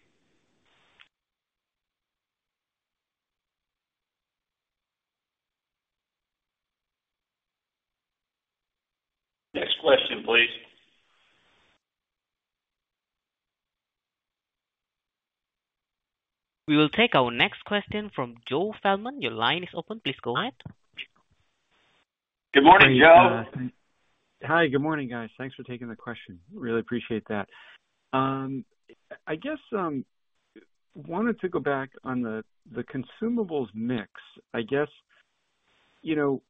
Next question, please. We will take our next question from Joe Feldman. Your line is open. Please go ahead. Good morning, Joe. Hi, good morning, guys. Thanks for taking the question. Really appreciate that. I guess, wanted to go back on the consumables mix. I guess, you know,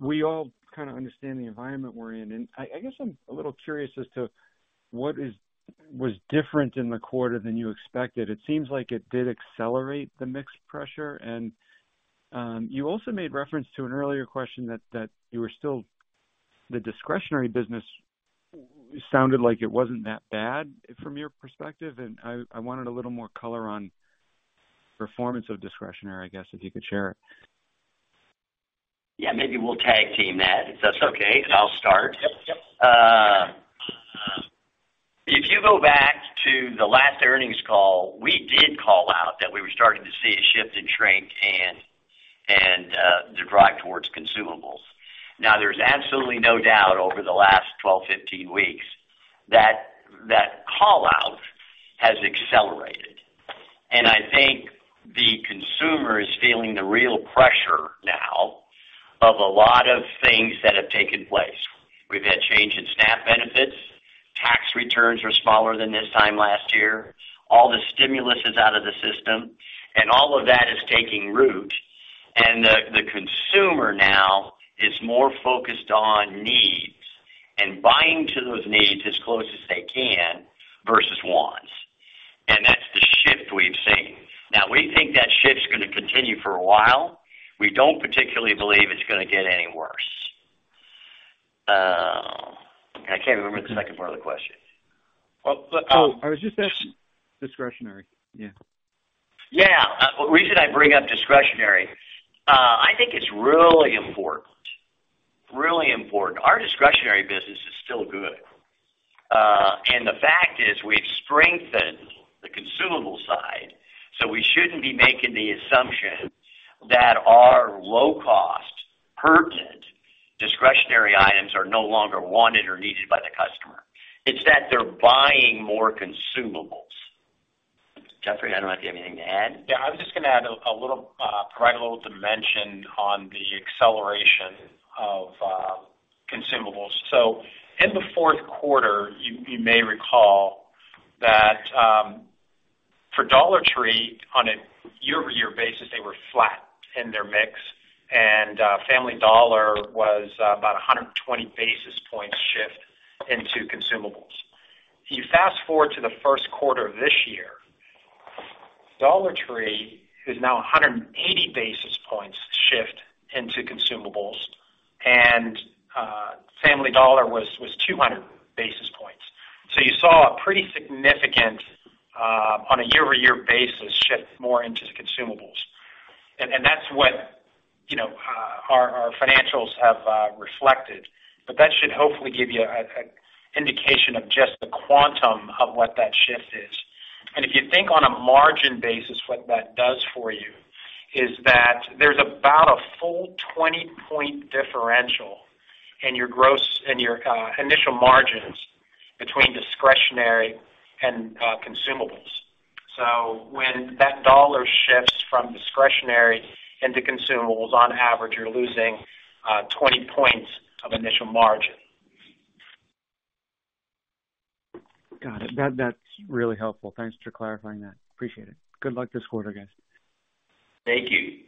we all kind of understand the environment we're in, and I guess I'm a little curious as to what is, was different in the quarter than you expected. It seems like it did accelerate the mix pressure. You also made reference to an earlier question that you were still the discretionary business sounded like it wasn't that bad from your perspective, and I wanted a little more color on performance of discretionary, I guess, if you could share it. Yeah, maybe we'll tag team that, if that's okay, and I'll start. Yep, yep. If you go back to the last earnings call, we did call out that we were starting to see a shift in shrink and, the drive towards consumables. There's absolutely no doubt over the last 12, 15 weeks, that call-out has accelerated. I think the consumer is feeling the real pressure now of a lot of things that have taken place. We've had change in SNAP benefits, tax returns are smaller than this time last year, all the stimulus is out of the system, and all of that is taking root, and the consumer now is more focused on needs and buying to those needs as close as they can versus wants. That's the shift we've seen. We think that shift is going to continue for a while. We don't particularly believe it's going to get any worse.I can't remember the second part of the question. Well, Oh, I was just asking discretionary. Yeah. Yeah. The reason I bring up discretionary, I think it's really important. Really important. Our discretionary business is still good. The fact is, we've strengthened the consumable side, so we shouldn't be making the assumption that our low-cost, pertinent discretionary items are no longer wanted or needed by the customer. It's that they're buying more consumables. Jeffrey, I don't know if you have anything to add. I was just going to add a little, provide a little dimension on the acceleration of consumables. In the fourth quarter, you may recall that, for Dollar Tree, on a year-over-year basis, they were flat in their mix, and Family Dollar was about 120 basis points shift into consumables. If you fast-forward to the 1st quarter of this year, Dollar Tree is now 180 basis points shift into consumables, and Family Dollar was 200 basis points. You saw a pretty significant, on a year-over-year basis, shift more into consumables. That's what, you know, our financials have reflected. That should hopefully give you a indication of just the quantum of what that shift is. If you think on a margin basis, what that does for you is that there's about a full 20-point differential in your initial margins between discretionary and consumables. When that dollar shifts from discretionary into consumables, on average, you're losing 20 points of initial margin. Got it. That's really helpful. Thanks for clarifying that. Appreciate it. Good luck this quarter, guys. Thank you.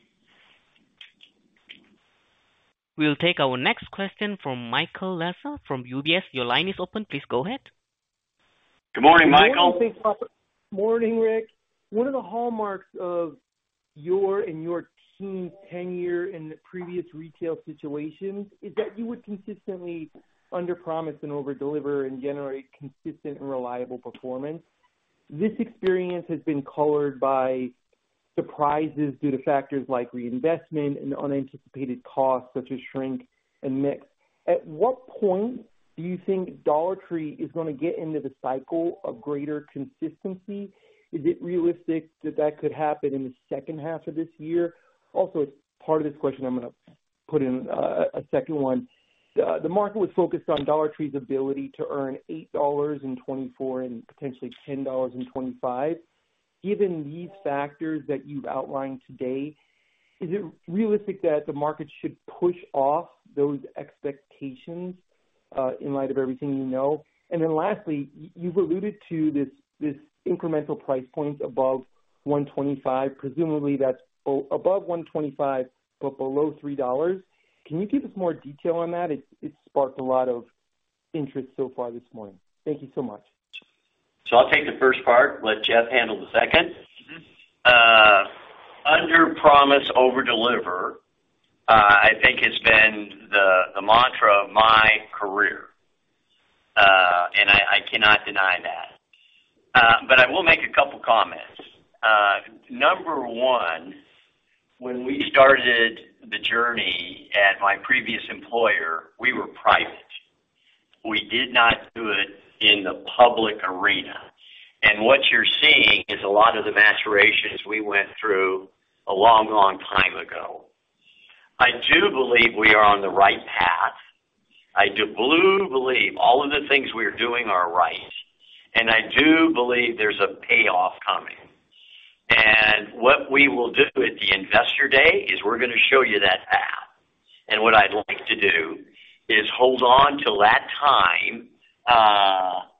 We'll take our next question from Michael Lasser from UBS. Your line is open. Please go ahead. Good morning, Michael. Morning, Rick. One of the hallmarks of your and your team's tenure in the previous retail situations is that you would consistently underpromise and overdeliver and generate consistent and reliable performance. This experience has been colored by surprises due to factors like reinvestment and unanticipated costs, such as shrink and mix. At what point do you think Dollar Tree is going to get into the cycle of greater consistency? Is it realistic that that could happen in the second half of this year? Also, as part of this question, I'm going to put in a second one. The market was focused on Dollar Tree's ability to earn $8.24 and potentially $10.25. Given these factors that you've outlined today, is it realistic that the market should push off those expectations in light of everything you know? Then lastly, you've alluded to this incremental price point above $1.25, presumably that's above $1.25, but below $3. Can you give us more detail on that? It's sparked a lot of interest so far this morning. Thank you so much. I'll take the first part, let Jeff handle the second. Under promise, over deliver, I think has been the mantra of my career. I cannot deny that. I will make a couple comments. Number one, when we started the journey at my previous employer, we were private. We did not do it in the public arena. What you're seeing is a lot of the macerations we went through a long, long time ago. I do believe we are on the right path. I do believe all of the things we are doing are right, and I do believe there's a payoff coming. What we will do at the Investor Day, is we're gonna show you that path. What I'd like to do is hold on till that time,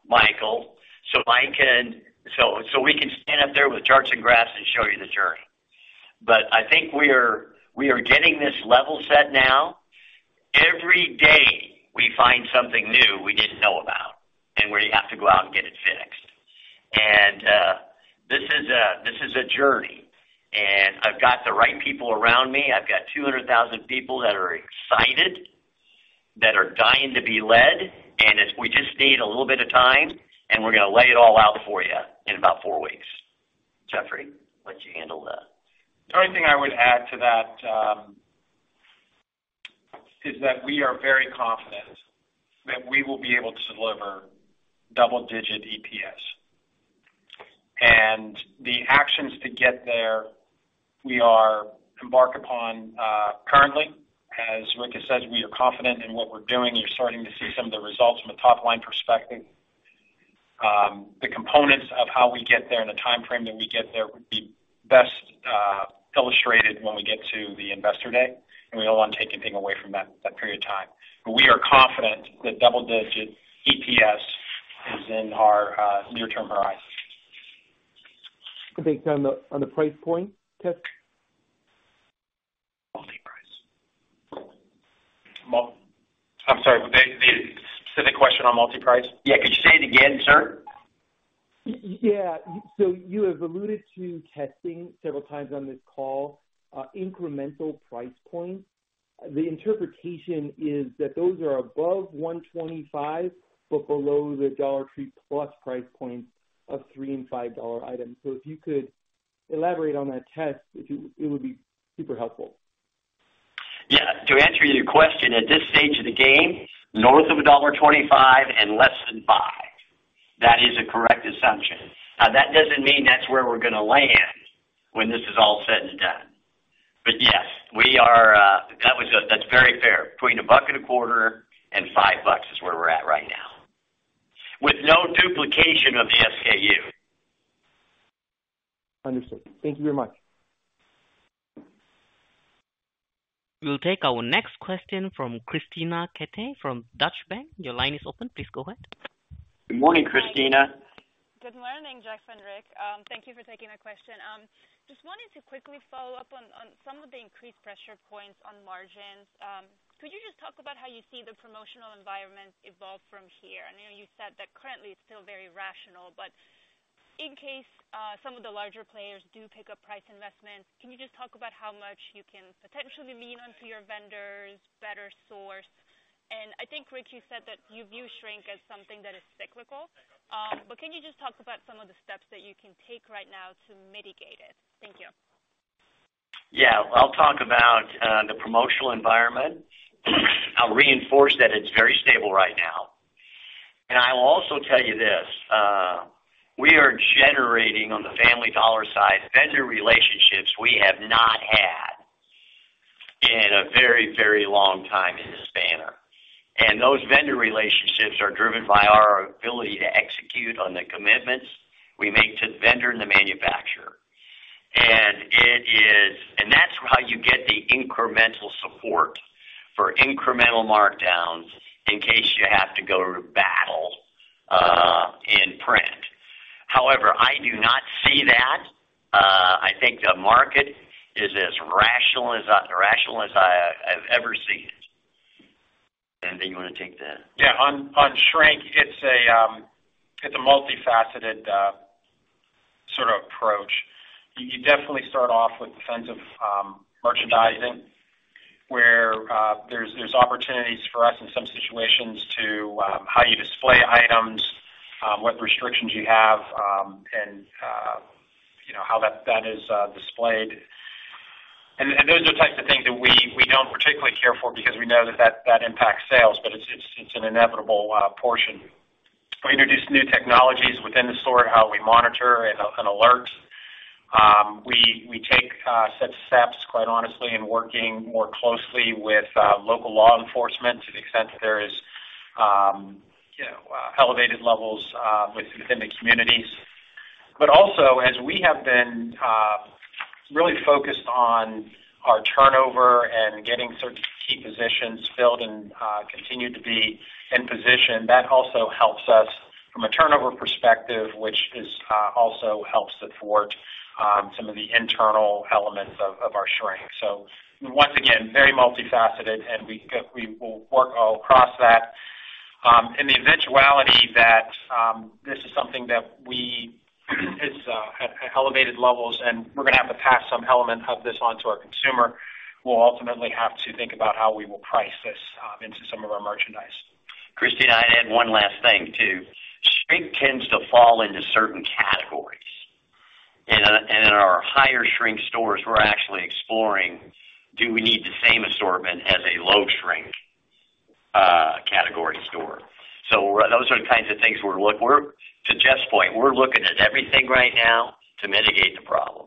Michael, so we can stand up there with charts and graphs and show you the journey. I think we are getting this level set now. Every day, we find something new we didn't know about, and we have to go out and get it fixed. This is a journey, and I've got the right people around me. I've got 200,000 people that are excited, that are dying to be led, and we just need a little bit of time, and we're gonna lay it all out for you in about four weeks. Jeffrey, why don't you handle that? The only thing I would add to that, is that we are very confident that we will be able to deliver double-digit EPS. The actions to get there, we are embarked upon, currently. As Rick has said, we are confident in what we're doing. You're starting to see some of the results from a top-line perspective. The components of how we get there and the timeframe that we get there would be best illustrated when we get to the Investor Day, and we don't want to take anything away from that period of time. We are confident that double-digit EPS is in our near-term horizon. I think on the, on the price point, Jeff? Multi-price. I'm sorry, the specific question on multi-price? Yeah. Could you say it again, sir? Yeah. You have alluded to testing several times on this call, incremental price points. The interpretation is that those are above $1.25, but below the Dollar Tree Plus price points of $3 and $5 items. If you could elaborate on that test, it would be super helpful. Yeah. To answer your question, at this stage of the game, north of $1.25 and less than $5. That is a correct assumption. That doesn't mean that's where we're gonna land when this is all said and done. Yes, we are, that's very fair. Between a$1.25 and $5 is where we're at right now, with no duplication of the SKU. Understood. Thank you very much. We'll take our next question from Krisztina Katai from Deutsche Bank. Your line is open. Please go ahead. Good morning, Krisztina. Good morning, Jeff and Rick. Thank you for taking my question. Just wanted to quickly follow up on some of the increased pressure points on margins. Could you just talk about how you see the promotional environment evolve from here? I know you said that currently it's still very rational, but in case some of the larger players do pick up price investments, can you just talk about how much you can potentially lean onto your vendors, better source? I think, Rick, you said that you view shrink as something that is cyclical. Can you just talk about some of the steps that you can take right now to mitigate it? Thank you. Yeah. I'll talk about the promotional environment. I'll reinforce that it's very stable right now. I will also tell you this, we are generating, on the Family Dollar side, vendor relationships we have not had in a very, very long time in this banner. Those vendor relationships are driven by our ability to execute on the commitments we make to the vendor and the manufacturer. That's how you get the incremental support for incremental markdowns in case you have to go to battle in print. However, I do not see that. I think the market is as rational as I have ever seen it. Do you want to take that? Yeah. On shrink, it's a multifaceted sort of approach. You definitely start off with defensive merchandising, where there's opportunities for us in some situations to how you display items, what restrictions you have, and, you know, how that is displayed. Those are types of things that we don't particularly care for because we know that impacts sales, but it's an inevitable portion. We introduce new technologies within the store, how we monitor and alert. We take such steps, quite honestly, in working more closely with local law enforcement to the extent that there is, you know, elevated levels within the communities. As we have been, really focused on our turnover and getting certain key positions filled and, continued to be in position, that also helps us from a turnover perspective, which is, also helps support, some of the internal elements of our shrink. Once again, very multifaceted and we will work across that. In the eventuality that, this is something that we, it's, at elevated levels, and we're going to have to pass some element of this on to our consumer, we'll ultimately have to think about how we will price this, into some of our merchandise. Krisztina, I'd add one last thing, too. Shrink tends to fall into certain categories. In our higher shrink stores, we're actually exploring, do we need the same assortment as a low shrink category store? Those are the kinds of things to Jeff's point, we're looking at everything right now to mitigate the problem.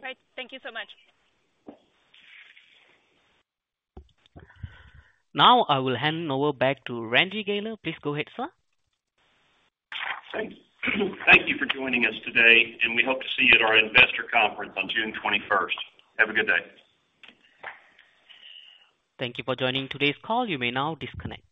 Great. Thank you so much. Now, I will hand over back to Randy Guiler. Please go ahead, sir. Thank you. Thank you for joining us today. We hope to see you at our Investor Conference on June twenty-first. Have a good day. Thank you for joining today's call. You may now disconnect.